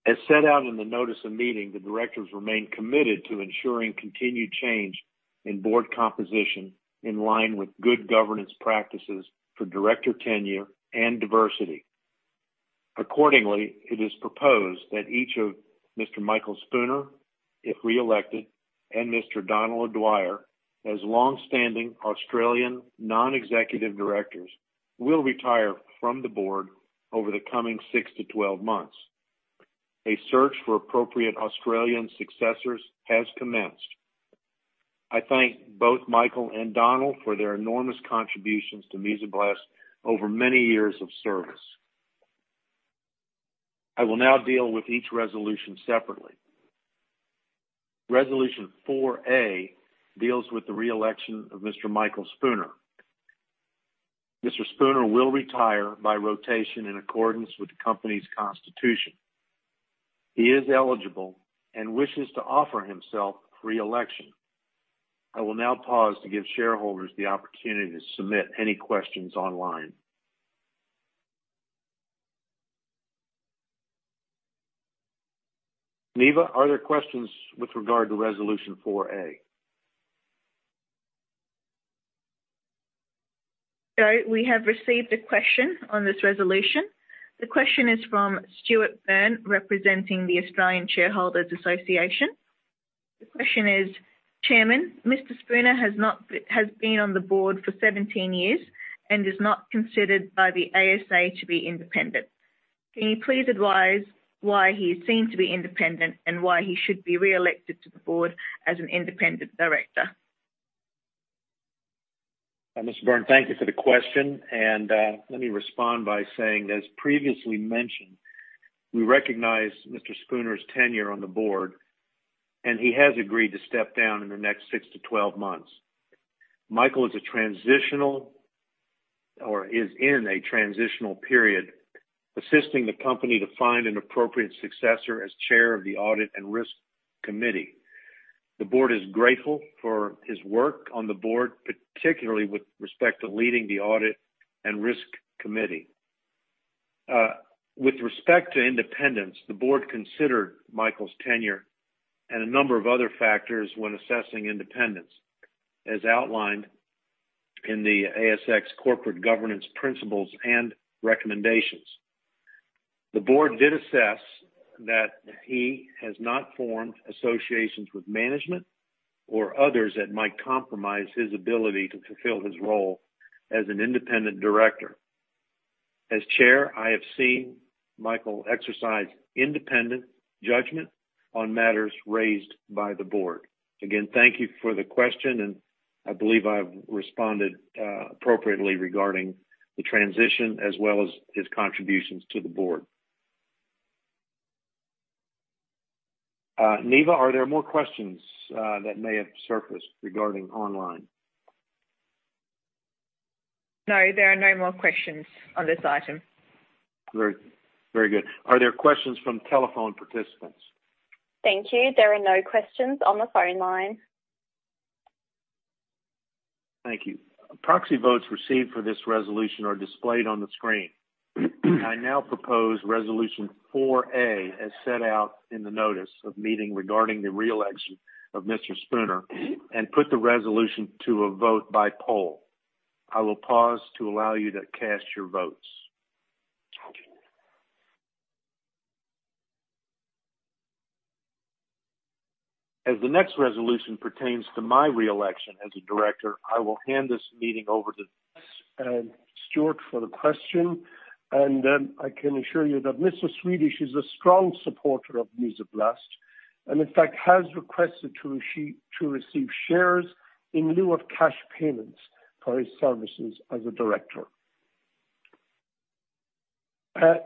As set out in the notice of meeting, the directors remain committed to ensuring continued change and board composition in line with good governance practices for director tenure and diversity. Accordingly, it is proposed that each of Mr. Michael Spooner, if re-elected, and Mr. Donal O'Dwyer, as long-standing Australian non-executive directors, will retire from the board over the coming six-12 months. A search for appropriate Australian successors has commenced. I thank both Michael and Donal for their enormous contributions to Mesoblast over many years of service. I will now deal with each resolution separately. Resolution 4A deals with the re-election of Mr. Michael Spooner. Mr. Spooner will retire by rotation in accordance with the company's constitution. He is eligible and wishes to offer himself for re-election. I will now pause to give shareholders the opportunity to submit any questions online. Neva, are there questions with regard to resolution 4A? We have received a question on this resolution. The question is from Stuart Burn, representing the Australian Shareholders' Association. The question is, Chairman, Mr. Spooner has been on the board for 17 years and is not considered by the ASA to be independent. Can you please advise why he is seen to be independent and why he should be re-elected to the board as an independent director? Mr. Burn, thank you for the question, and let me respond by saying, as previously mentioned, we recognize Mr. Spooner's tenure on the board, and he has agreed to step down in the next six-12 months. Michael is in a transitional period, assisting the company to find an appropriate successor as chair of the Audit and Risk Committee. The board is grateful for his work on the board, particularly with respect to leading the Audit and Risk Committee. With respect to independence, the board considered Michael's tenure and a number of other factors when assessing independence, as outlined in the ASX Corporate Governance Principles and Recommendations. The board did assess that he has not formed associations with management or others that might compromise his ability to fulfill his role as an independent director. As chair, I have seen Michael exercise independent judgment on matters raised by the board. Again, thank you for the question, and I believe I've responded appropriately regarding the transition as well as his contributions to the board. Neva, are there more questions that may have surfaced regarding online? No, there are no more questions on this item. Very, very good. Are there questions from telephone participants? Thank you. There are no questions on the phone line. Thank you. Proxy votes received for this resolution are displayed on the screen. I now propose resolution 4A, as set out in the notice of meeting regarding the re-election of Mr. Spooner, and put the resolution to a vote by poll. I will pause to allow you to cast your votes. As the next resolution pertains to my re-election as a director, I will hand this meeting over to. Stuart for the question, I can assure you that Mr. Swedish is a strong supporter of Mesoblast and in fact has requested to receive shares in lieu of cash payments for his services as a director.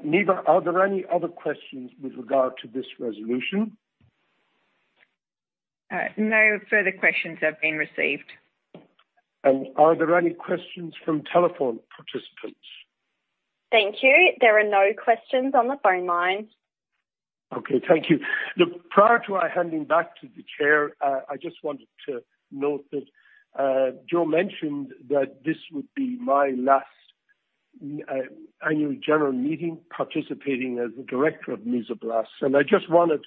Neva, are there any other questions with regard to this resolution? No further questions have been received. Are there any questions from telephone participants? Thank you. There are no questions on the phone line. Okay. Thank you. Look, prior to our handing back to the chair, I just wanted to note that Joe mentioned that this would be my last annual general meeting participating as a director of Mesoblast. I just wanted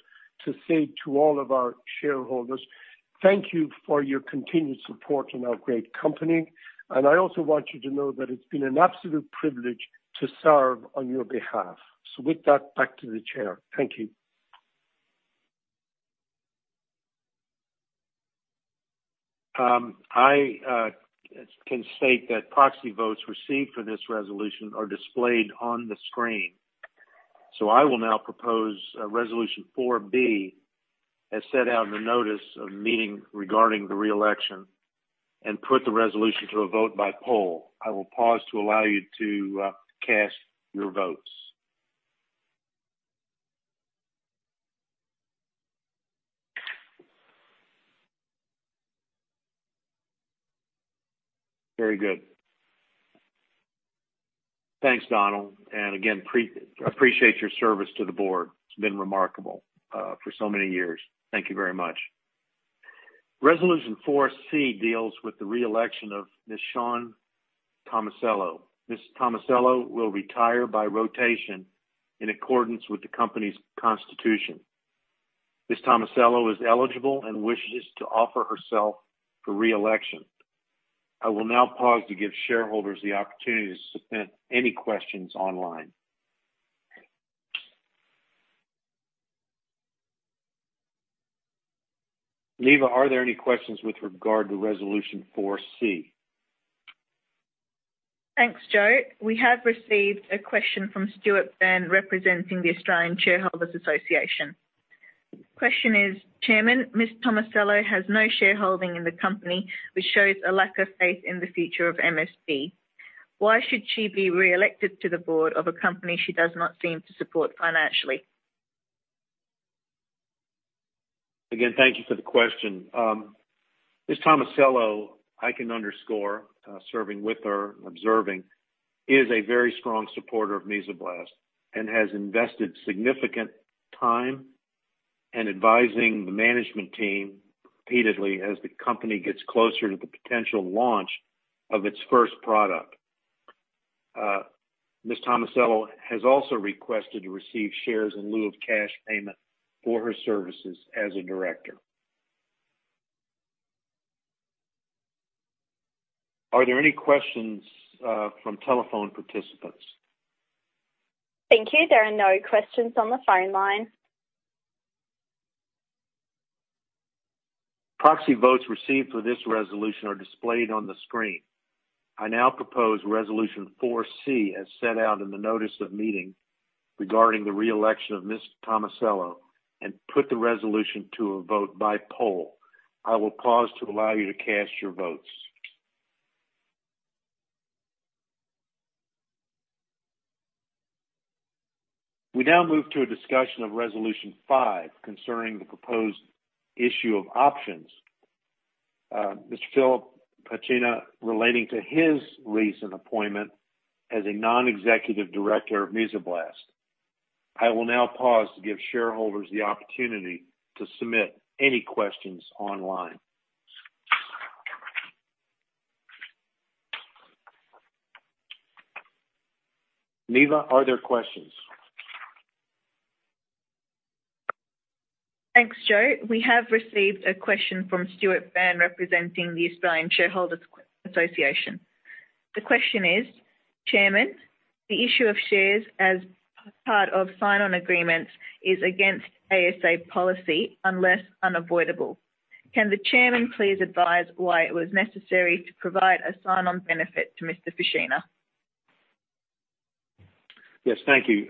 to say to all of our shareholders, thank you for your continued support in our great company. I also want you to know that it's been an absolute privilege to serve on your behalf. With that, back to the chair. Thank you. I can state that proxy votes received for this resolution are displayed on the screen. I will now propose resolution 4B as set out in the notice of meeting regarding the re-election, and put the resolution to a vote by poll. I will pause to allow you to cast your votes. Very good. Thanks, Donal. Again, appreciate your service to the board. It's been remarkable for so many years. Thank you very much. Resolution 4C deals with the re-election of Ms. Shawn Tomasello. Ms. Tomasello will retire by rotation in accordance with the company's constitution. Ms. Tomasello is eligible and wishes to offer herself for re-election. I will now pause to give shareholders the opportunity to submit any questions online. Neva, are there any questions with regard to Resolution 4C? Thanks, Joe. We have received a question from Stuart Burn representing the Australian Shareholders' Association. Question is, Chairman, Ms. Shawn Tomasello has no shareholding in the company, which shows a lack of faith in the future of MSB. Why should she be reelected to the board of a company she does not seem to support financially? Again, thank you for the question. Ms. Tomasello, I can underscore, serving with her, observing, is a very strong supporter of Mesoblast and has invested significant time in advising the management team repeatedly as the company gets closer to the potential launch of its first product. Ms. Tomasello has also requested to receive shares in lieu of cash payment for her services as a director. Are there any questions from telephone participants? Thank you. There are no questions on the phone line. Proxy votes received for this resolution are displayed on the screen. I now propose resolution 4C as set out in the notice of meeting regarding the re-election of Ms. Tomasello and put the resolution to a vote by poll. I will pause to allow you to cast your votes. We now move to a discussion of resolution five concerning the proposed issue of options, Mr. Philip Pacina relating to his recent appointment as a non-executive director of Mesoblast. I will now pause to give shareholders the opportunity to submit any questions online. Neva, are there questions? Thanks, Joe. We have received a question from Stuart Burn representing the Australian Shareholders' Association. The question is, Chairman, the issue of shares as part of sign-on agreements is against ASA policy unless unavoidable. Can the chairman please advise why it was necessary to provide a sign-on benefit to Mr. Pacina? Yes, thank you.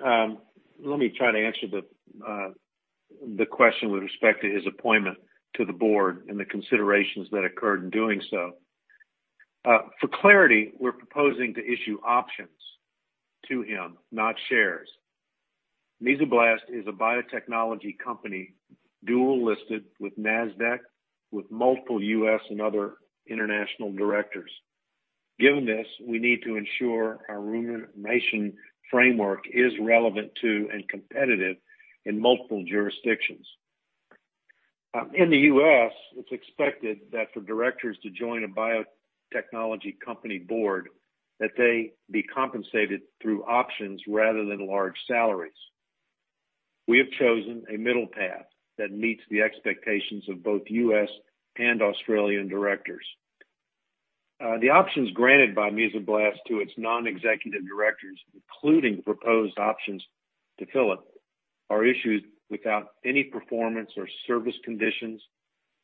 Let me try to answer the question with respect to his appointment to the board and the considerations that occurred in doing so. For clarity, we're proposing to issue options to him, not shares. Mesoblast is a biotechnology company, dual listed with Nasdaq, with multiple U.S. and other international directors. Given this, we need to ensure our remuneration framework is relevant to and competitive in multiple jurisdictions. In the U.S., it's expected that for directors to join a biotechnology company board that they be compensated through options rather than large salaries. We have chosen a middle path that meets the expectations of both U.S. and Australian directors. The options granted by Mesoblast to its non-executive directors, including the proposed options to Philip, are issued without any performance or service conditions,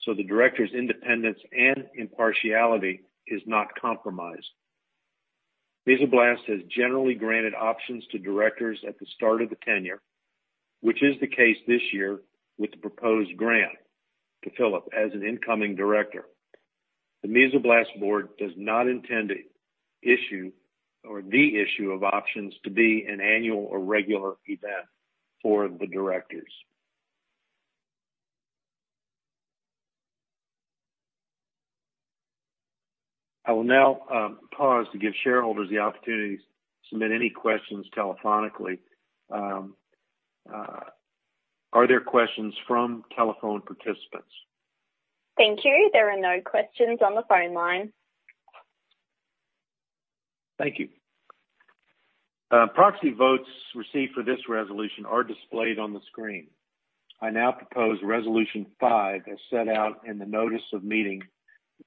so the director's independence and impartiality is not compromised. Mesoblast has generally granted options to directors at the start of the tenure, which is the case this year with the proposed grant to Philip as an incoming director. The Mesoblast board does not intend to issue or the issue of options to be an annual or regular event for the directors. I will now pause to give shareholders the opportunity to submit any questions telephonically. Are there questions from telephone participants? Thank you. There are no questions on the phone line. Thank you. Proxy votes received for this resolution are displayed on the screen. I now propose resolution five as set out in the notice of meeting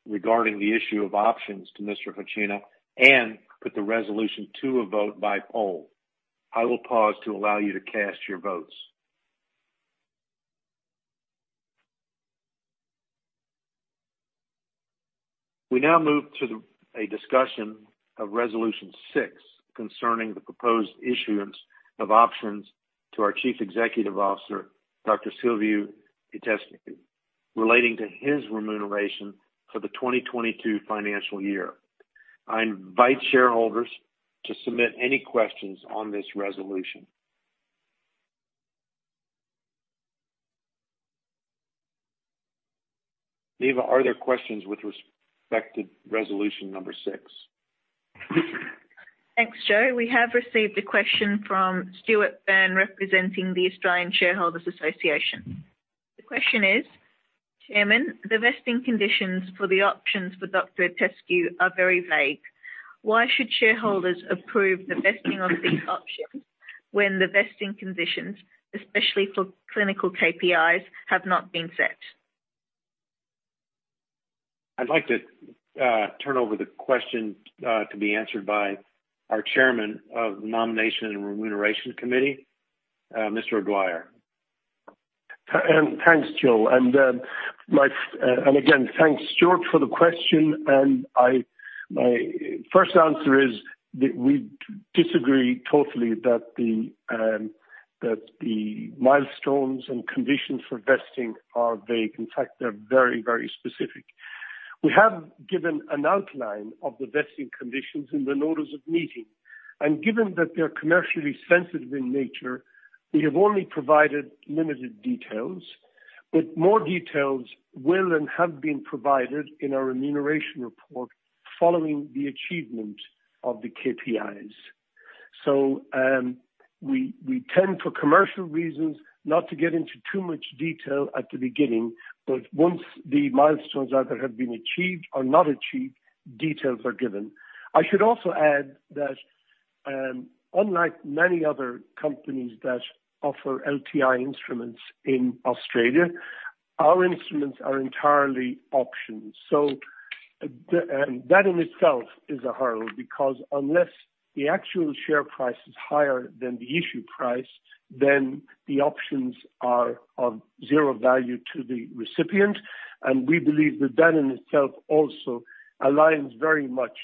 regarding the issue of options to Mr. Pacina and put the resolution to a vote by poll. I will pause to allow you to cast your votes. We now move to a discussion of resolution six concerning the proposed issuance of options to our Chief Executive Officer, Dr. Silviu Itescu, relating to his remuneration for the 2022 financial year. I invite shareholders to submit any questions on this resolution. Neva, are there questions with respect to resolution number six? Thanks, Joe. We have received a question from Stuart Burn representing the Australian Shareholders' Association. The question is: Chairman, the vesting conditions for the options for Dr. Silviu Itescu are very vague. Why should shareholders approve the vesting of these options when the vesting conditions, especially for clinical KPIs, have not been set? I'd like to turn over the question to be answered by our Chairman of the Nomination and Remuneration Committee, Mr. O'Dwyer. Thanks, Joe. Again, thanks, Stuart for the question. My first answer is that we disagree totally that the milestones and conditions for vesting are vague. In fact, they're very, very specific. We have given an outline of the vesting conditions in the notice of meeting. Given that they're commercially sensitive in nature, we have only provided limited details, but more details will and have been provided in our remuneration report following the achievement of the KPIs. We tend for commercial reasons not to get into too much detail at the beginning, but once the milestones either have been achieved or not achieved, details are given. I should also add that, unlike many other companies that offer LTI instruments in Australia, our instruments are entirely options. That in itself is a hurdle because unless the actual share price is higher than the issue price, then the options are of zero value to the recipient. We believe that in itself also aligns very much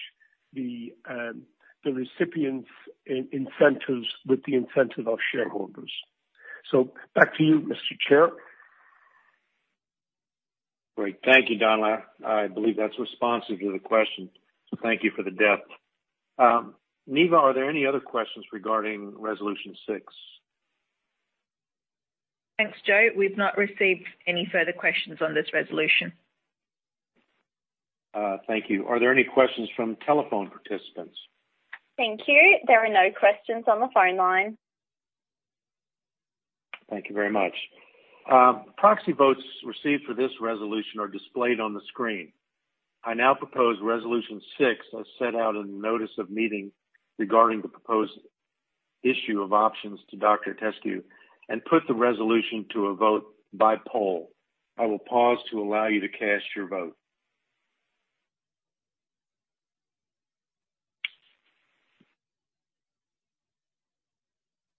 the recipient's incentives with the incentive of shareholders. Back to you, Mr. Chair. Great. Thank you, Donal. I believe that's responsive to the question. Thank you for the depth. Neva, are there any other questions regarding resolution six? Thanks, Joe. We've not received any further questions on this resolution. Thank you. Are there any questions from telephone participants? Thank you. There are no questions on the phone line. Thank you very much. Proxy votes received for this resolution are displayed on the screen. I now propose resolution six as set out in the notice of meeting regarding the proposed issue of options to Dr. Itescu and put the resolution to a vote by poll. I will pause to allow you to cast your vote.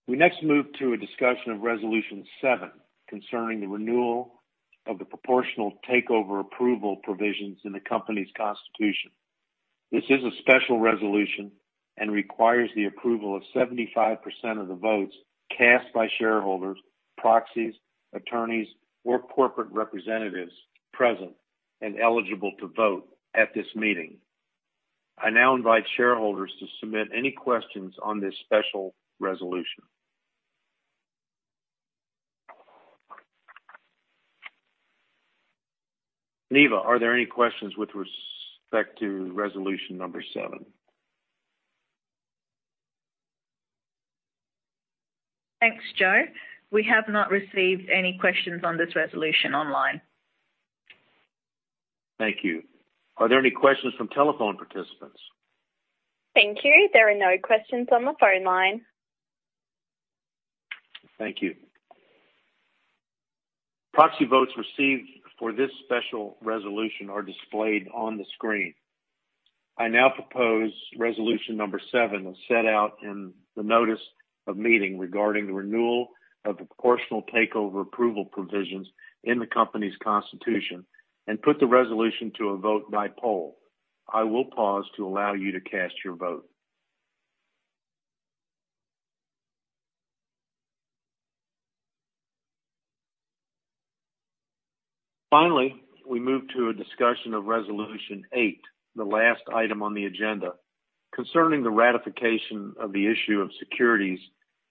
We next move to a discussion of resolution seven, concerning the renewal of the proportional takeover approval provisions in the company's constitution. This is a special resolution and requires the approval of 75% of the votes cast by shareholders, proxies, attorneys or corporate representatives present and eligible to vote at this meeting. I now invite shareholders to submit any questions on this special resolution. Neva, are there any questions with respect to resolution number seven? Thanks, Joe. We have not received any questions on this resolution online. Thank you. Are there any questions from telephone participants? Thank you. There are no questions on the phone line. Thank you. Proxy votes received for this special resolution are displayed on the screen. I now propose resolution number seven as set out in the notice of meeting regarding the renewal of the proportional takeover approval provisions in the company's constitution and put the resolution to a vote by poll. I will pause to allow you to cast your vote. Finally, we move to a discussion of resolution eight, the last item on the agenda, concerning the ratification of the issue of securities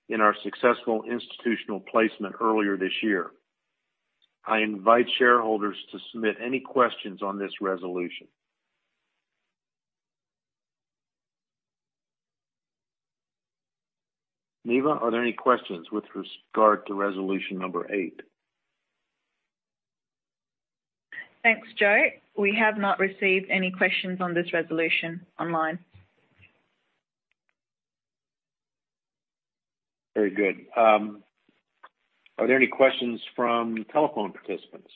in our successful institutional placement earlier this year. I invite shareholders to submit any questions on this resolution. Neva, are there any questions with regard to resolution number eight? Thanks, Joe. We have not received any questions on this resolution online. Very good. Are there any questions from telephone participants?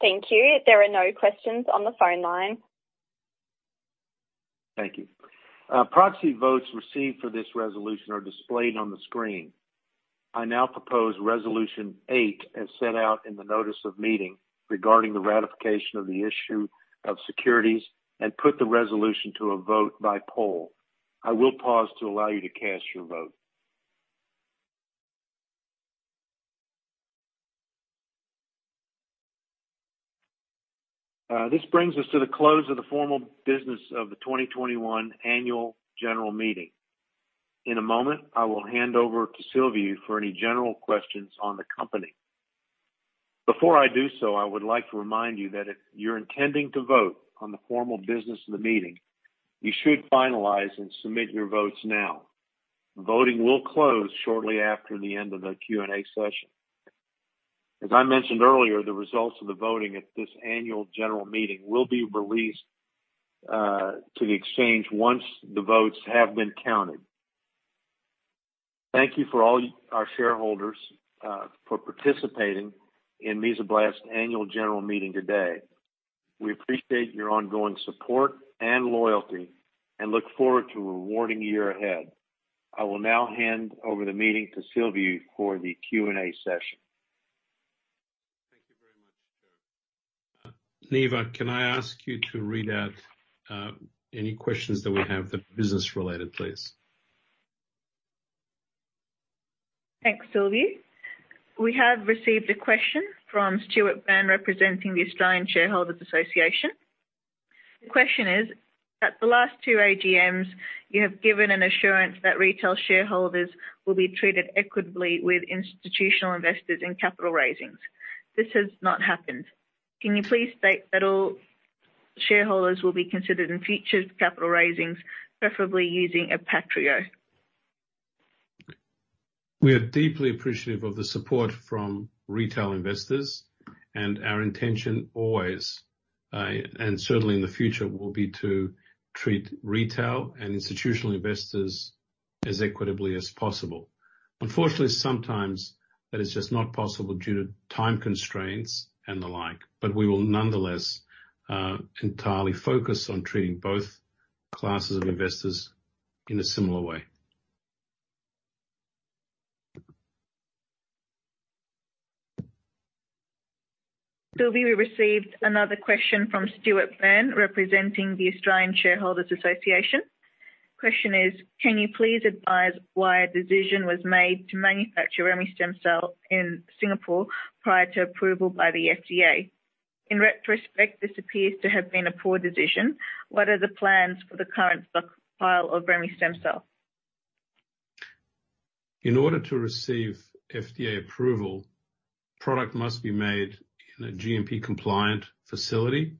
Thank you. There are no questions on the phone line. Thank you. Proxy votes received for this resolution are displayed on the screen. I now propose resolution 8 as set out in the notice of meeting regarding the ratification of the issue of securities and put the resolution to a vote by poll. I will pause to allow you to cast your vote. This brings us to the close of the formal business of the 2021 annual general meeting. In a moment, I will hand over to Silviu for any general questions on the company. Before I do so, I would like to remind you that if you're intending to vote on the formal business of the meeting, you should finalize and submit your votes now. Voting will close shortly after the end of the Q&A session. As I mentioned earlier, the results of the voting at this annual general meeting will be released to the exchange once the votes have been counted. Thank you for all our shareholders for participating in Mesoblast Annual General Meeting today. We appreciate your ongoing support and loyalty, and look forward to a rewarding year ahead. I will now hand over the meeting to Silviu Itescu for the Q&A session. Thank you very much, Joe. Neva, can I ask you to read out any questions that we have that are business-related, please? Thanks, Silviu Itescu. We have received a question from Stuart Burn representing the Australian Shareholders' Association. The question is, at the last two AGMs, you have given an assurance that retail shareholders will be treated equitably with institutional investors in capital raisings. This has not happened. Can you please state that all shareholders will be considered in future capital raisings, preferably using MyoStar? We are deeply appreciative of the support from retail investors, and our intention always, and certainly in the future, will be to treat retail and institutional investors as equitably as possible. Unfortunately, sometimes that is just not possible due to time constraints and the like. We will nonetheless entirely focus on treating both classes of investors in a similar way. Silviu, we received another question from Stuart Burn representing the Australian Shareholders' Association. Question is, can you please advise why a decision was made to manufacture remestemcel-L in Singapore prior to approval by the FDA? In retrospect, this appears to have been a poor decision. What are the plans for the current stockpile of remestemcel-L? In order to receive FDA approval, product must be made in a GMP-compliant facility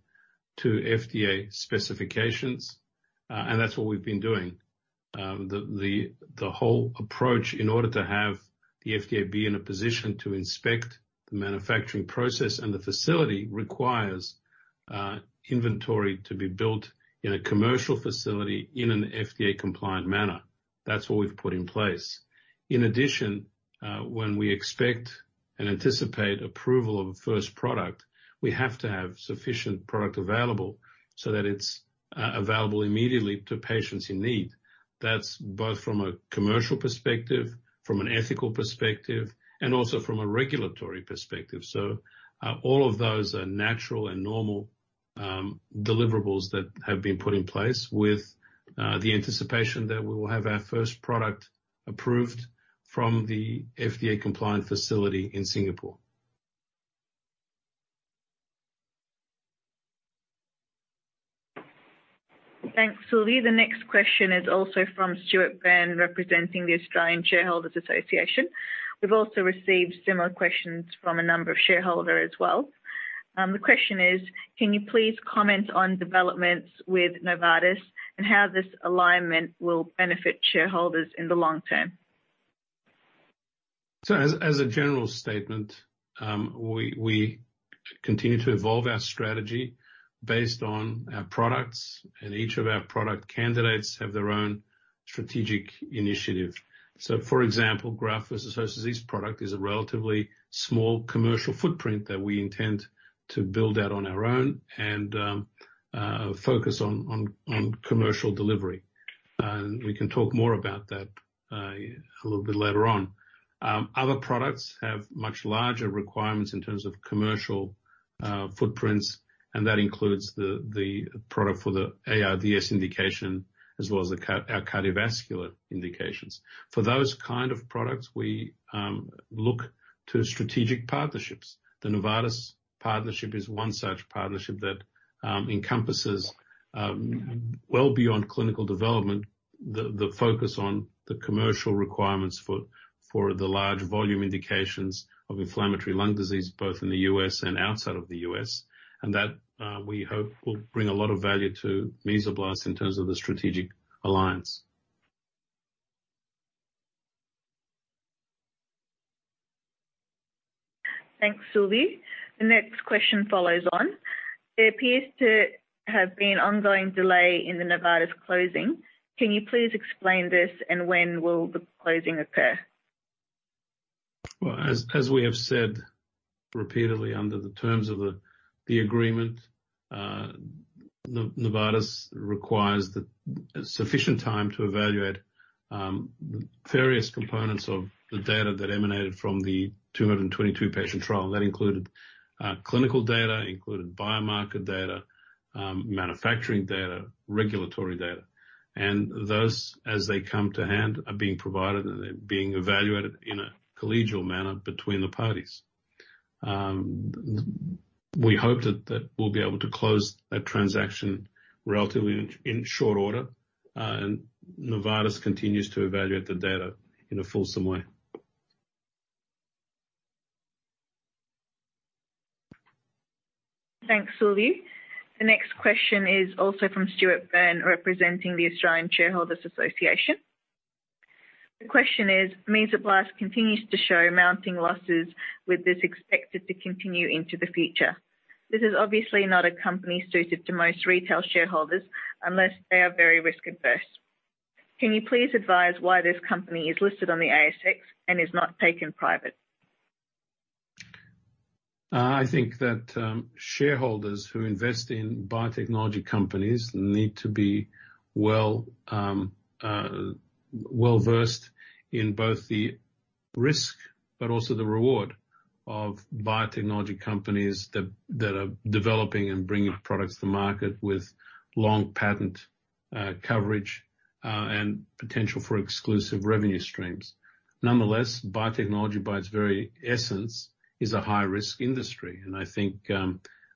to FDA specifications, and that's what we've been doing. The whole approach in order to have the FDA be in a position to inspect the manufacturing process and the facility requires inventory to be built in a commercial facility in an FDA-compliant manner. That's what we've put in place. In addition, when we expect and anticipate approval of a first product, we have to have sufficient product available so that it's available immediately to patients in need. That's both from a commercial perspective, from an ethical perspective, and also from a regulatory perspective. All of those are natural and normal deliverables that have been put in place with the anticipation that we will have our first product approved from the FDA-compliant facility in Singapore. Thanks, Silviu. The next question is also from Stuart Burn representing the Australian Shareholders' Association. We've also received similar questions from a number of shareholders as well. The question is, can you please comment on developments with Novartis and how this alignment will benefit shareholders in the long term? As a general statement, we continue to evolve our strategy based on our products, and each of our product candidates have their own strategic initiative. For example, graft-versus-host disease product is a relatively small commercial footprint that we intend to build out on our own and focus on commercial delivery. We can talk more about that a little bit later on. Other products have much larger requirements in terms of commercial footprints, and that includes the product for the ARDS indication as well as our cardiovascular indications. For those kind of products, we look to strategic partnerships. The Novartis partnership is one such partnership that encompasses well beyond clinical development, the focus on the commercial requirements for the large volume indications of inflammatory lung disease, both in the U.S. and outside of the U.S., and that we hope will bring a lot of value to Mesoblast in terms of the strategic alliance. Thanks, Silviu. The next question follows on. There appears to have been ongoing delay in the Novartis closing. Can you please explain this, and when will the closing occur? Well, as we have said repeatedly under the terms of the agreement, Novartis requires the sufficient time to evaluate various components of the data that emanated from the 222 patient trial. That included clinical data, biomarker data, manufacturing data, regulatory data, and those, as they come to hand, are being provided and they're being evaluated in a collegial manner between the parties. We hope that we'll be able to close that transaction relatively in short order, and Novartis continues to evaluate the data in a fulsome way. Thanks, Silviu. The next question is also from Stuart Burn, representing the Australian Shareholders' Association. The question is, Mesoblast continues to show mounting losses, with this expected to continue into the future. This is obviously not a company suited to most retail shareholders unless they are very risk-averse. Can you please advise why this company is listed on the ASX and is not taken private? I think that shareholders who invest in biotechnology companies need to be well-versed in both the risk but also the reward of biotechnology companies that are developing and bringing products to market with long patent coverage and potential for exclusive revenue streams. Nonetheless, biotechnology by its very essence is a high-risk industry. I think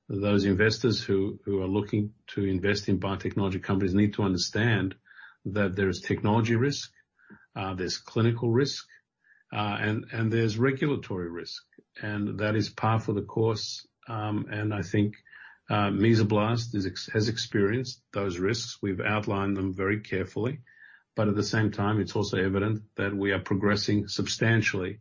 those investors who are looking to invest in biotechnology companies need to understand that there is technology risk, there's clinical risk, and there's regulatory risk, and that is par for the course. I think Mesoblast has experienced those risks. We've outlined them very carefully. At the same time, it's also evident that we are progressing substantially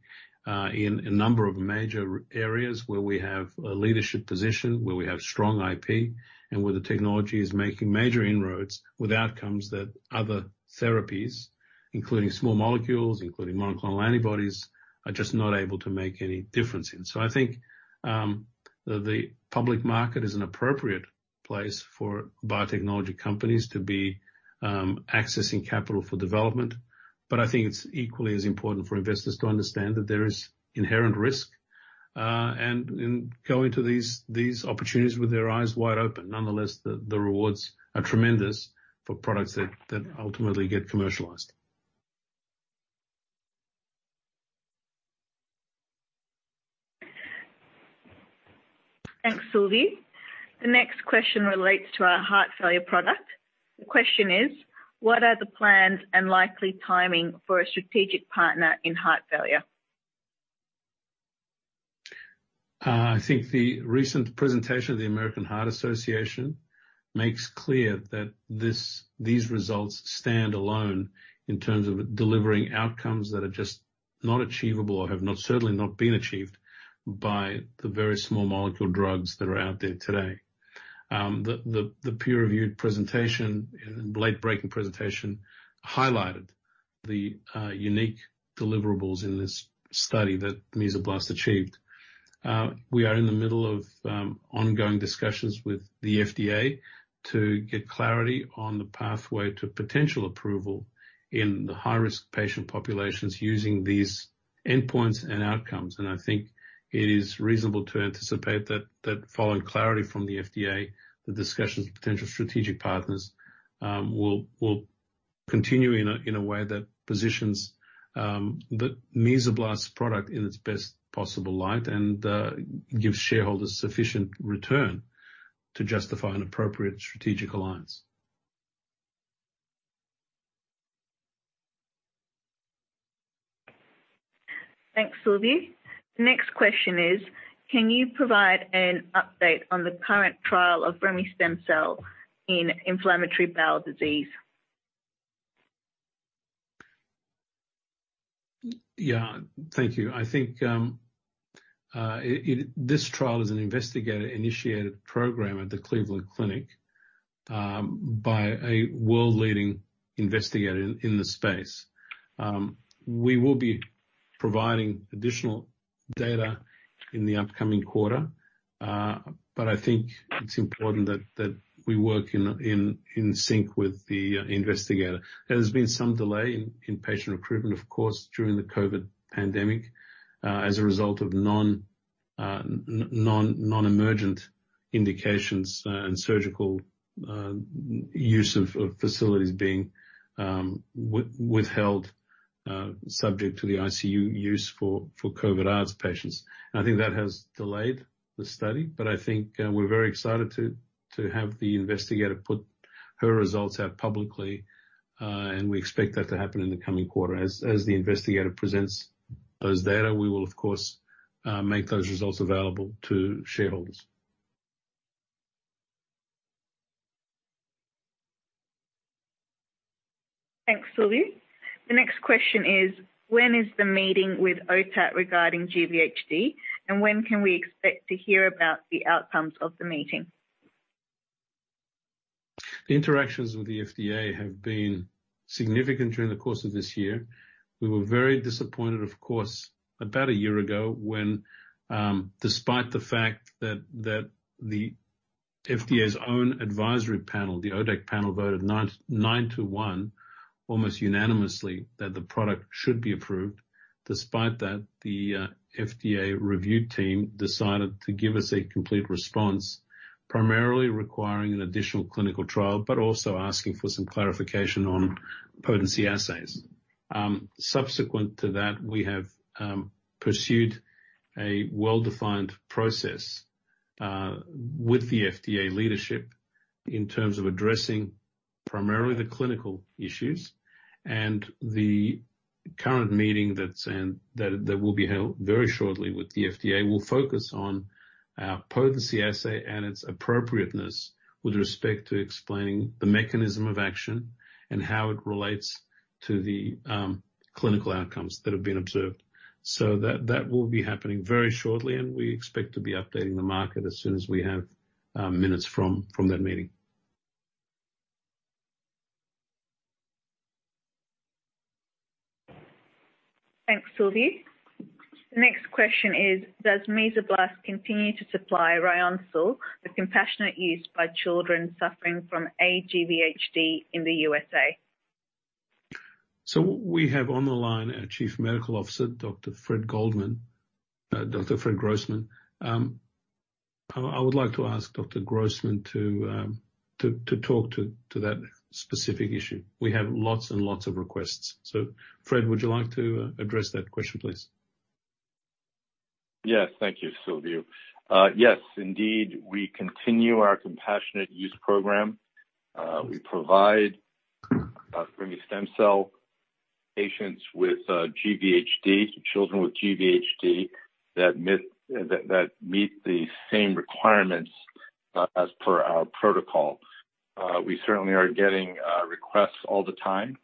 in a number of major areas where we have a leadership position, where we have strong IP, and where the technology is making major inroads with outcomes that other therapies, including small molecules, including monoclonal antibodies, are just not able to make any difference in. I think the public market is an appropriate place for biotechnology companies to be accessing capital for development. I think it's equally as important for investors to understand that there is inherent risk and in going to these opportunities with their eyes wide open. Nonetheless, the rewards are tremendous for products that ultimately get commercialized. Thanks, Silviu. The next question relates to our heart failure product. The question is, what are the plans and likely timing for a strategic partner in heart failure? I think the recent presentation of the American Heart Association makes clear that these results stand alone in terms of delivering outcomes that are just not achievable or certainly not been achieved by the very small molecule drugs that are out there today. The peer-reviewed presentation, late-breaking presentation, highlighted the unique deliverables in this study that Mesoblast achieved. We are in the middle of ongoing discussions with the FDA to get clarity on the pathway to potential approval in the high-risk patient populations using these endpoints and outcomes. I think it is reasonable to anticipate that following clarity from the FDA, the discussions with potential strategic partners will continue in a way that positions the Mesoblast product in its best possible light and gives shareholders sufficient return to justify an appropriate strategic alliance. Thanks, Silviu. The next question is, can you provide an update on the current trial of remestemcel-L in inflammatory bowel disease? Yeah. Thank you. I think this trial is an investigator-initiated program at the Cleveland Clinic by a world-leading investigator in the space. We will be providing additional data in the upcoming quarter, but I think it's important that we work in sync with the investigator. There's been some delay in patient recruitment, of course, during the COVID pandemic, as a result of non-emergent indications and surgical use of facilities being withheld, subject to the ICU use for COVID ARDS patients. I think that has delayed the study, but I think we're very excited to have the investigator put her results out publicly, and we expect that to happen in the coming quarter. As the investigator presents those data, we will of course make those results available to shareholders. Thanks, Silviu. The next question is, when is the meeting with ODAC regarding GVHD, and when can we expect to hear about the outcomes of the meeting? The interactions with the FDA have been significant during the course of this year. We were very disappointed, of course, about a year ago, when, despite the fact that the FDA's own advisory panel, the ODAC panel, voted 9 to 1, almost unanimously, that the product should be approved. Despite that, the FDA review team decided to give us a complete response, primarily requiring an additional clinical trial, but also asking for some clarification on potency assays. Subsequent to that, we have pursued a well-defined process with the FDA leadership in terms of addressing primarily the clinical issues and the current meeting that will be held very shortly with the FDA will focus on our potency assay and its appropriateness with respect to explaining the mechanism of action and how it relates to the clinical outcomes that have been observed. That will be happening very shortly, and we expect to be updating the market as soon as we have minutes from that meeting. Thanks, Silviu. The next question is, does Mesoblast continue to supply Ryoncil for compassionate use by children suffering from aGVHD in the USA? We have on the line our Chief Medical Officer, Dr. Fred Grossman. I would like to ask Dr. Grossman to talk to that specific issue. We have lots and lots of requests. Fred, would you like to address that question, please? Yes. Thank you, Silviu. Yes, indeed, we continue our compassionate use program. We provide stem cell patients with GVHD, children with GVHD, that meet the same requirements as per our protocol. We certainly are getting requests all the time,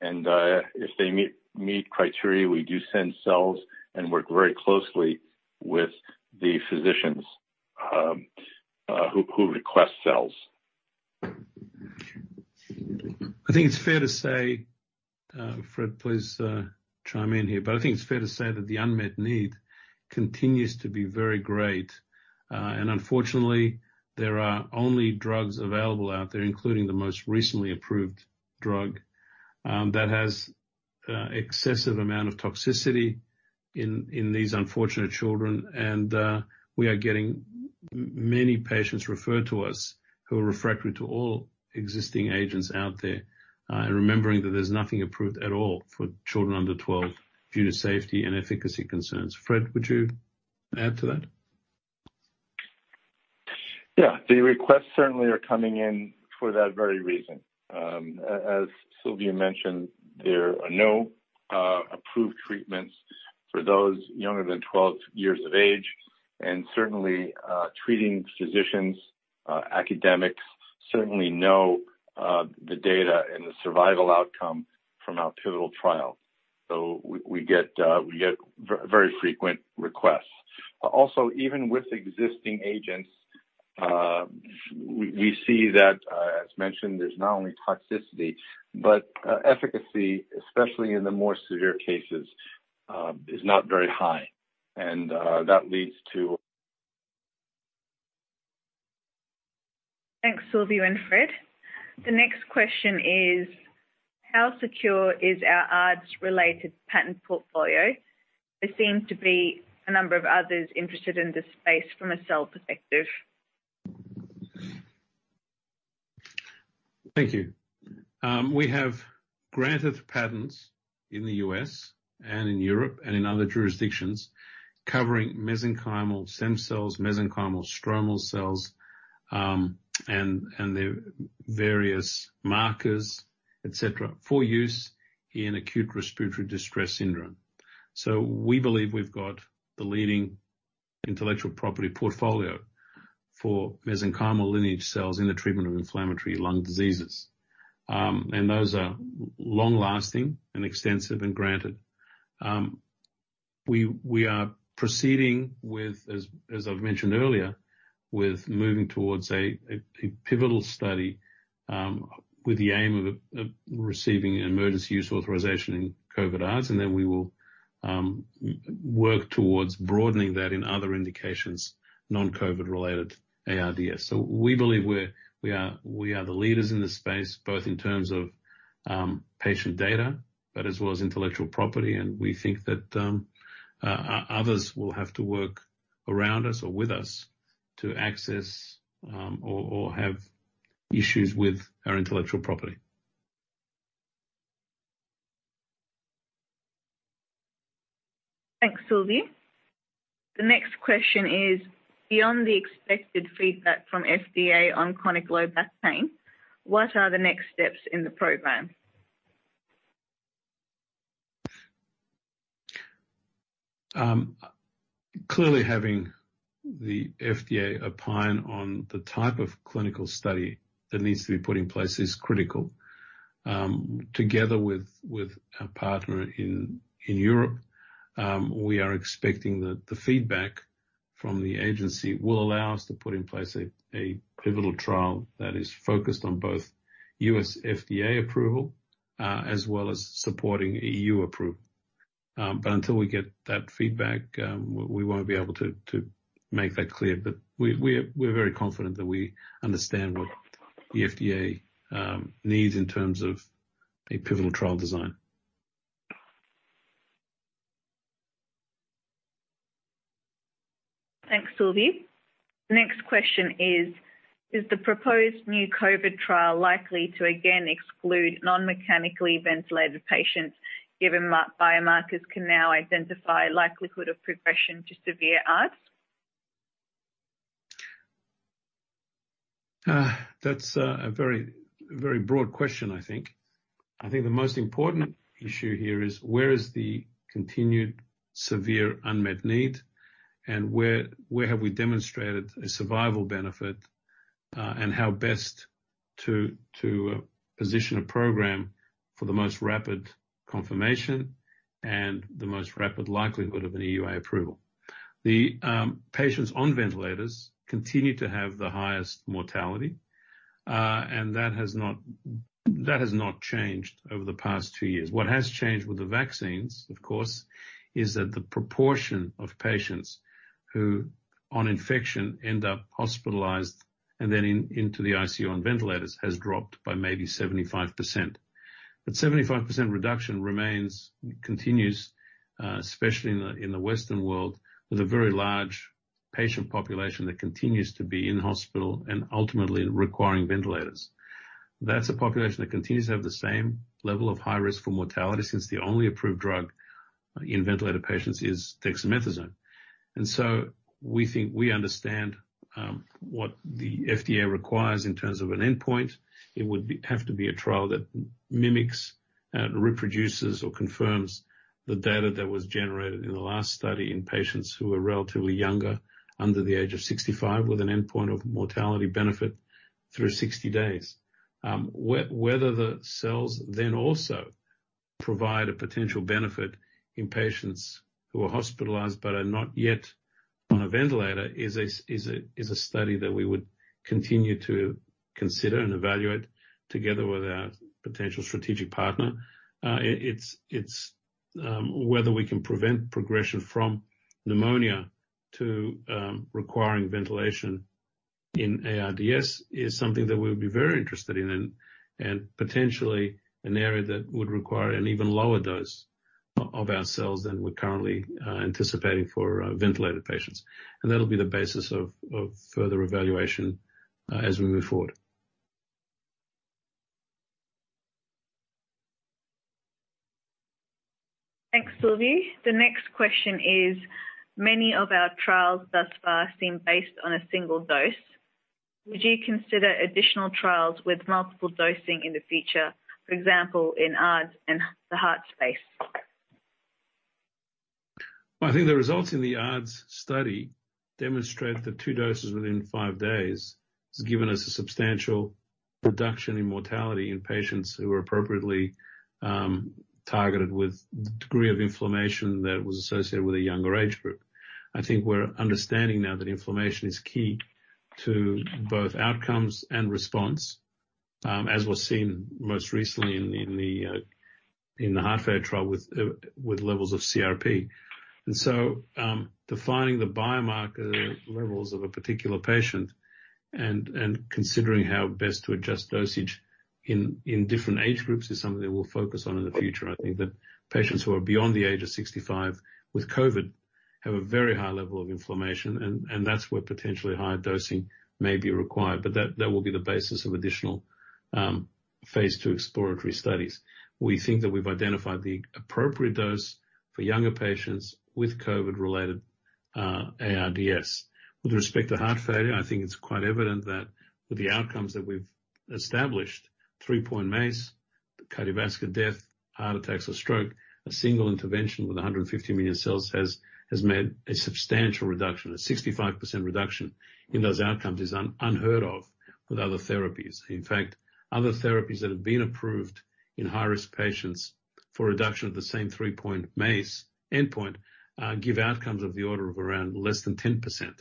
and if they meet criteria, we do send cells and work very closely with the physicians who request cells. I think it's fair to say, Fred, please, chime in here, but I think it's fair to say that the unmet need continues to be very great. Unfortunately, there are only drugs available out there, including the most recently approved drug, that has excessive amount of toxicity in these unfortunate children. We are getting many patients referred to us who are refractory to all existing agents out there, and remembering that there's nothing approved at all for children under 12 due to safety and efficacy concerns. Fred, would you add to that? Yeah. The requests certainly are coming in for that very reason. As Silviu mentioned, there are no approved treatments for those younger than 12 years of age. Certainly, treating physicians, academics certainly know the data and the survival outcome from our pivotal trial. We get very frequent requests. Even with existing agents, we see that, as mentioned, there's not only toxicity, but efficacy, especially in the more severe cases, is not very high. That leads to- Thanks, Silviu and Fred. The next question is how secure is our ARDS related patent portfolio? There seems to be a number of others interested in this space from a cell perspective. Thank you. We have granted patents in the U.S. and in Europe and in other jurisdictions covering mesenchymal stem cells, mesenchymal stromal cells, and their various markers, et cetera, for use in acute respiratory distress syndrome. We believe we've got the leading intellectual property portfolio for mesenchymal lineage cells in the treatment of inflammatory lung diseases. Those are long-lasting and extensive and granted. We are proceeding with, as I've mentioned earlier, with moving towards a pivotal study, with the aim of receiving emergency use authorization in COVID ARDS, and then we will work towards broadening that in other indications, non-COVID related ARDS. We believe we are the leaders in this space, both in terms of patient data, but as well as intellectual property. We think that others will have to work around us or with us to access or have issues with our intellectual property. Thanks, Silviu. The next question is beyond the expected feedback from FDA on chronic low back pain, what are the next steps in the program? Clearly having the FDA opine on the type of clinical study that needs to be put in place is critical. Together with a partner in Europe, we are expecting the feedback from the agency will allow us to put in place a pivotal trial that is focused on both U.S. FDA approval as well as supporting EU approval. Until we get that feedback, we won't be able to make that clear. We’re very confident that we understand what the FDA needs in terms of a pivotal trial design. Thanks, Silviu. Next question is the proposed new COVID trial likely to again exclude non-mechanically ventilated patients given that biomarkers can now identify likelihood of progression to severe ARDS? That's a very broad question, I think. I think the most important issue here is where is the continued severe unmet need, and where have we demonstrated a survival benefit, and how best to position a program for the most rapid confirmation and the most rapid likelihood of an EUA approval. Patients on ventilators continue to have the highest mortality, and that has not changed over the past two years. What has changed with the vaccines, of course, is that the proportion of patients who on infection end up hospitalized and then into the ICU on ventilators has dropped by maybe 75%. 75% reduction remains, continues, especially in the Western world, with a very large patient population that continues to be in hospital and ultimately requiring ventilators. That's a population that continues to have the same level of high risk for mortality since the only approved drug in ventilator patients is dexamethasone. We think we understand what the FDA requires in terms of an endpoint. It would have to be a trial that mimics, reproduces or confirms the data that was generated in the last study in patients who were relatively younger, under the age of 65, with an endpoint of mortality benefit through 60 days. Whether the cells then also provide a potential benefit in patients who are hospitalized but are not yet on a ventilator is a study that we would continue to consider and evaluate together with a potential strategic partner. It's whether we can prevent progression from pneumonia to requiring ventilation in ARDS is something that we'll be very interested in and potentially an area that would require an even lower dose of our cells than we're currently anticipating for ventilated patients. That'll be the basis of further evaluation as we move forward. Thanks, Silviu. The next question is, many of our trials thus far seem based on a single dose. Would you consider additional trials with multiple dosing in the future, for example, in ARDS and the heart space? I think the results in the ARDS study demonstrate that two doses within five days has given us a substantial reduction in mortality in patients who are appropriately targeted with the degree of inflammation that was associated with a younger age group. I think we're understanding now that inflammation is key to both outcomes and response, as was seen most recently in the heart failure trial with levels of CRP. Defining the biomarker levels of a particular patient and considering how best to adjust dosage in different age groups is something we'll focus on in the future. I think that patients who are beyond the age of 65 with COVID have a very high level of inflammation, and that's where potentially higher dosing may be required. That will be the basis of additional phase II exploratory studies. We think that we've identified the appropriate dose for younger patients with COVID-19-related ARDS. With respect to heart failure, I think it's quite evident that with the outcomes that we've established, three-point MACE, cardiovascular death, heart attacks or stroke, a single intervention with 150 million cells has made a substantial reduction. A 65% reduction in those outcomes is unheard of with other therapies. In fact, other therapies that have been approved in high-risk patients for a reduction of the same three-point MACE endpoint give outcomes of the order of around less than 10%.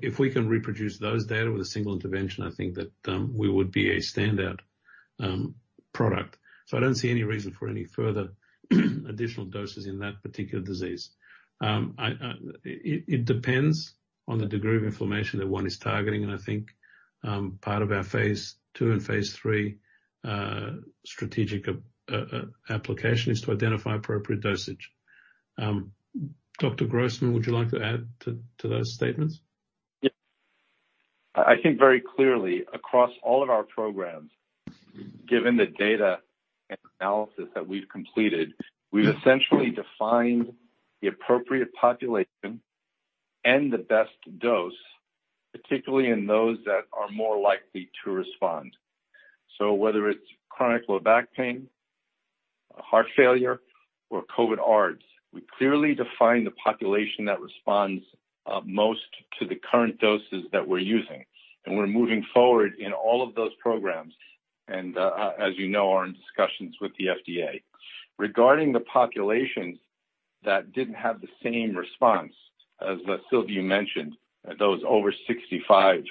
If we can reproduce those data with a single intervention, I think that we would be a standout product. I don't see any reason for any further additional doses in that particular disease. It depends on the degree of inflammation that one is targeting, and I think part of our phase II and phase III strategic application is to identify appropriate dosage. Dr. Grossman, would you like to add to those statements? Yeah. I think very clearly across all of our programs, given the data analysis that we've completed, we've essentially defined the appropriate population and the best dose, particularly in those that are more likely to respond. Whether it's chronic low back pain, heart failure, or COVID ARDS, we clearly define the population that responds most to the current doses that we're using, and we're moving forward in all of those programs and, as you know, are in discussions with the FDA. Regarding the populations that didn't have the same response as Silviu mentioned, those over 65,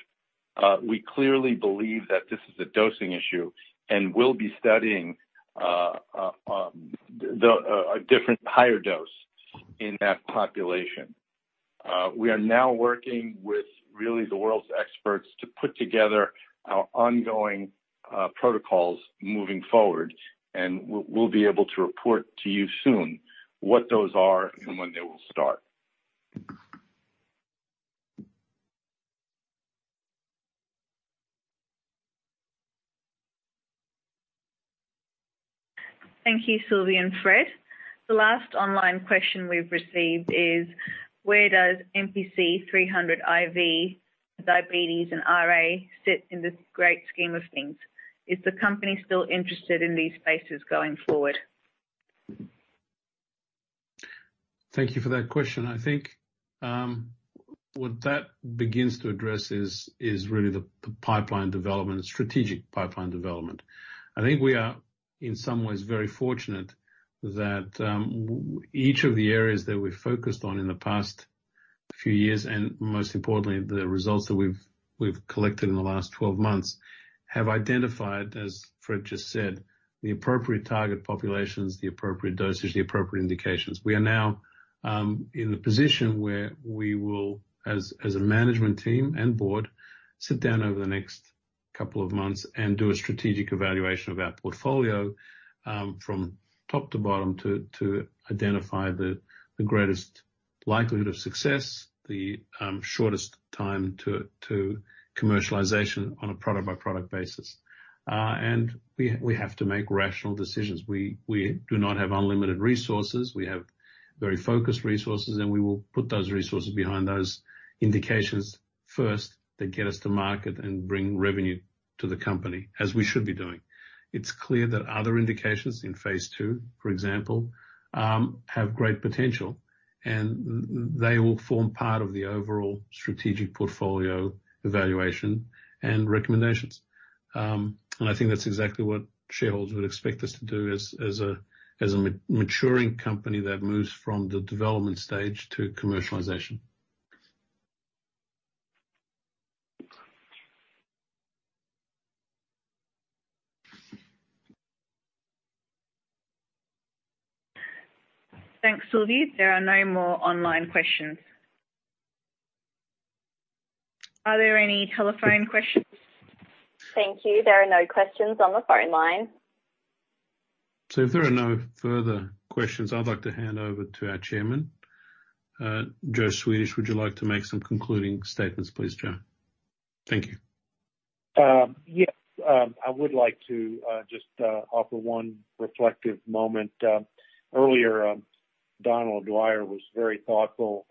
we clearly believe that this is a dosing issue and will be studying a different higher dose in that population. We are now working with really the world's experts to put together our ongoing protocols moving forward, and we'll be able to report to you soon what those are and when they will start. Thank you, Silviu and Fred. The last online question we've received is: Where does MPC-300-IV, diabetes, and RA sit in this great scheme of things? Is the company still interested in these spaces going forward? Thank you for that question. I think what that begins to address is really the pipeline development, strategic pipeline development. I think we are in some ways very fortunate that each of the areas that we've focused on in the past few years, and most importantly, the results that we've collected in the last 12 months, have identified, as Fred just said, the appropriate target populations, the appropriate dosage, the appropriate indications. We are now in the position where we will, as a management team and board, sit down over the next couple of months and do a strategic evaluation of our portfolio from top to bottom to identify the greatest likelihood of success, the shortest time to commercialization on a product-by-product basis. We have to make rational decisions. We do not have unlimited resources. We have very focused resources, and we will put those resources behind those indications first that get us to market and bring revenue to the company as we should be doing. It's clear that other indications in phase II, for example, have great potential and they all form part of the overall strategic portfolio evaluation and recommendations. I think that's exactly what shareholders would expect us to do as a maturing company that moves from the development stage to commercialization. Thanks, Silviu. There are no more online questions. Are there any telephone questions? Thank you. There are no questions on the phone line. If there are no further questions, I'd like to hand over to our chairman. Joe Swedish, would you like to make some concluding statements, please, Joe? Thank you. Yes, I would like to just offer one reflective moment. Earlier, Donal O'Dwyer was very thoughtful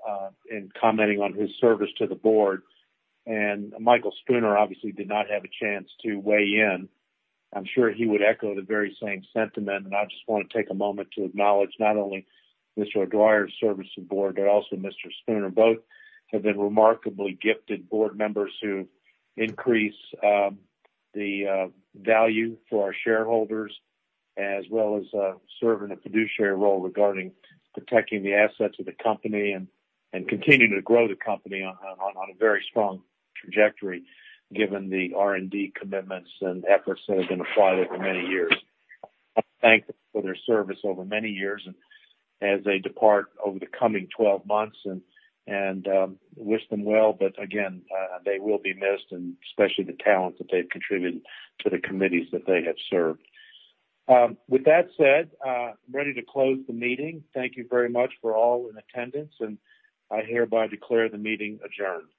in commenting on his service to the board, and Michael Spooner obviously did not have a chance to weigh in. I'm sure he would echo the very same sentiment, and I just wanna take a moment to acknowledge not only Mr. Dwyer's service to the board, but also Mr. Spooner. Both have been remarkably gifted board members who increase the value for our shareholders as well as serve in a fiduciary role regarding protecting the assets of the company and continuing to grow the company on a very strong trajectory given the R&D commitments and efforts that have been applied over many years. I thank them for their service over many years and as they depart over the coming twelve months and wish them well. Again, they will be missed, and especially the talent that they've contributed to the committees that they have served. With that said, I'm ready to close the meeting. Thank you very much for all in attendance, and I hereby declare the meeting adjourned.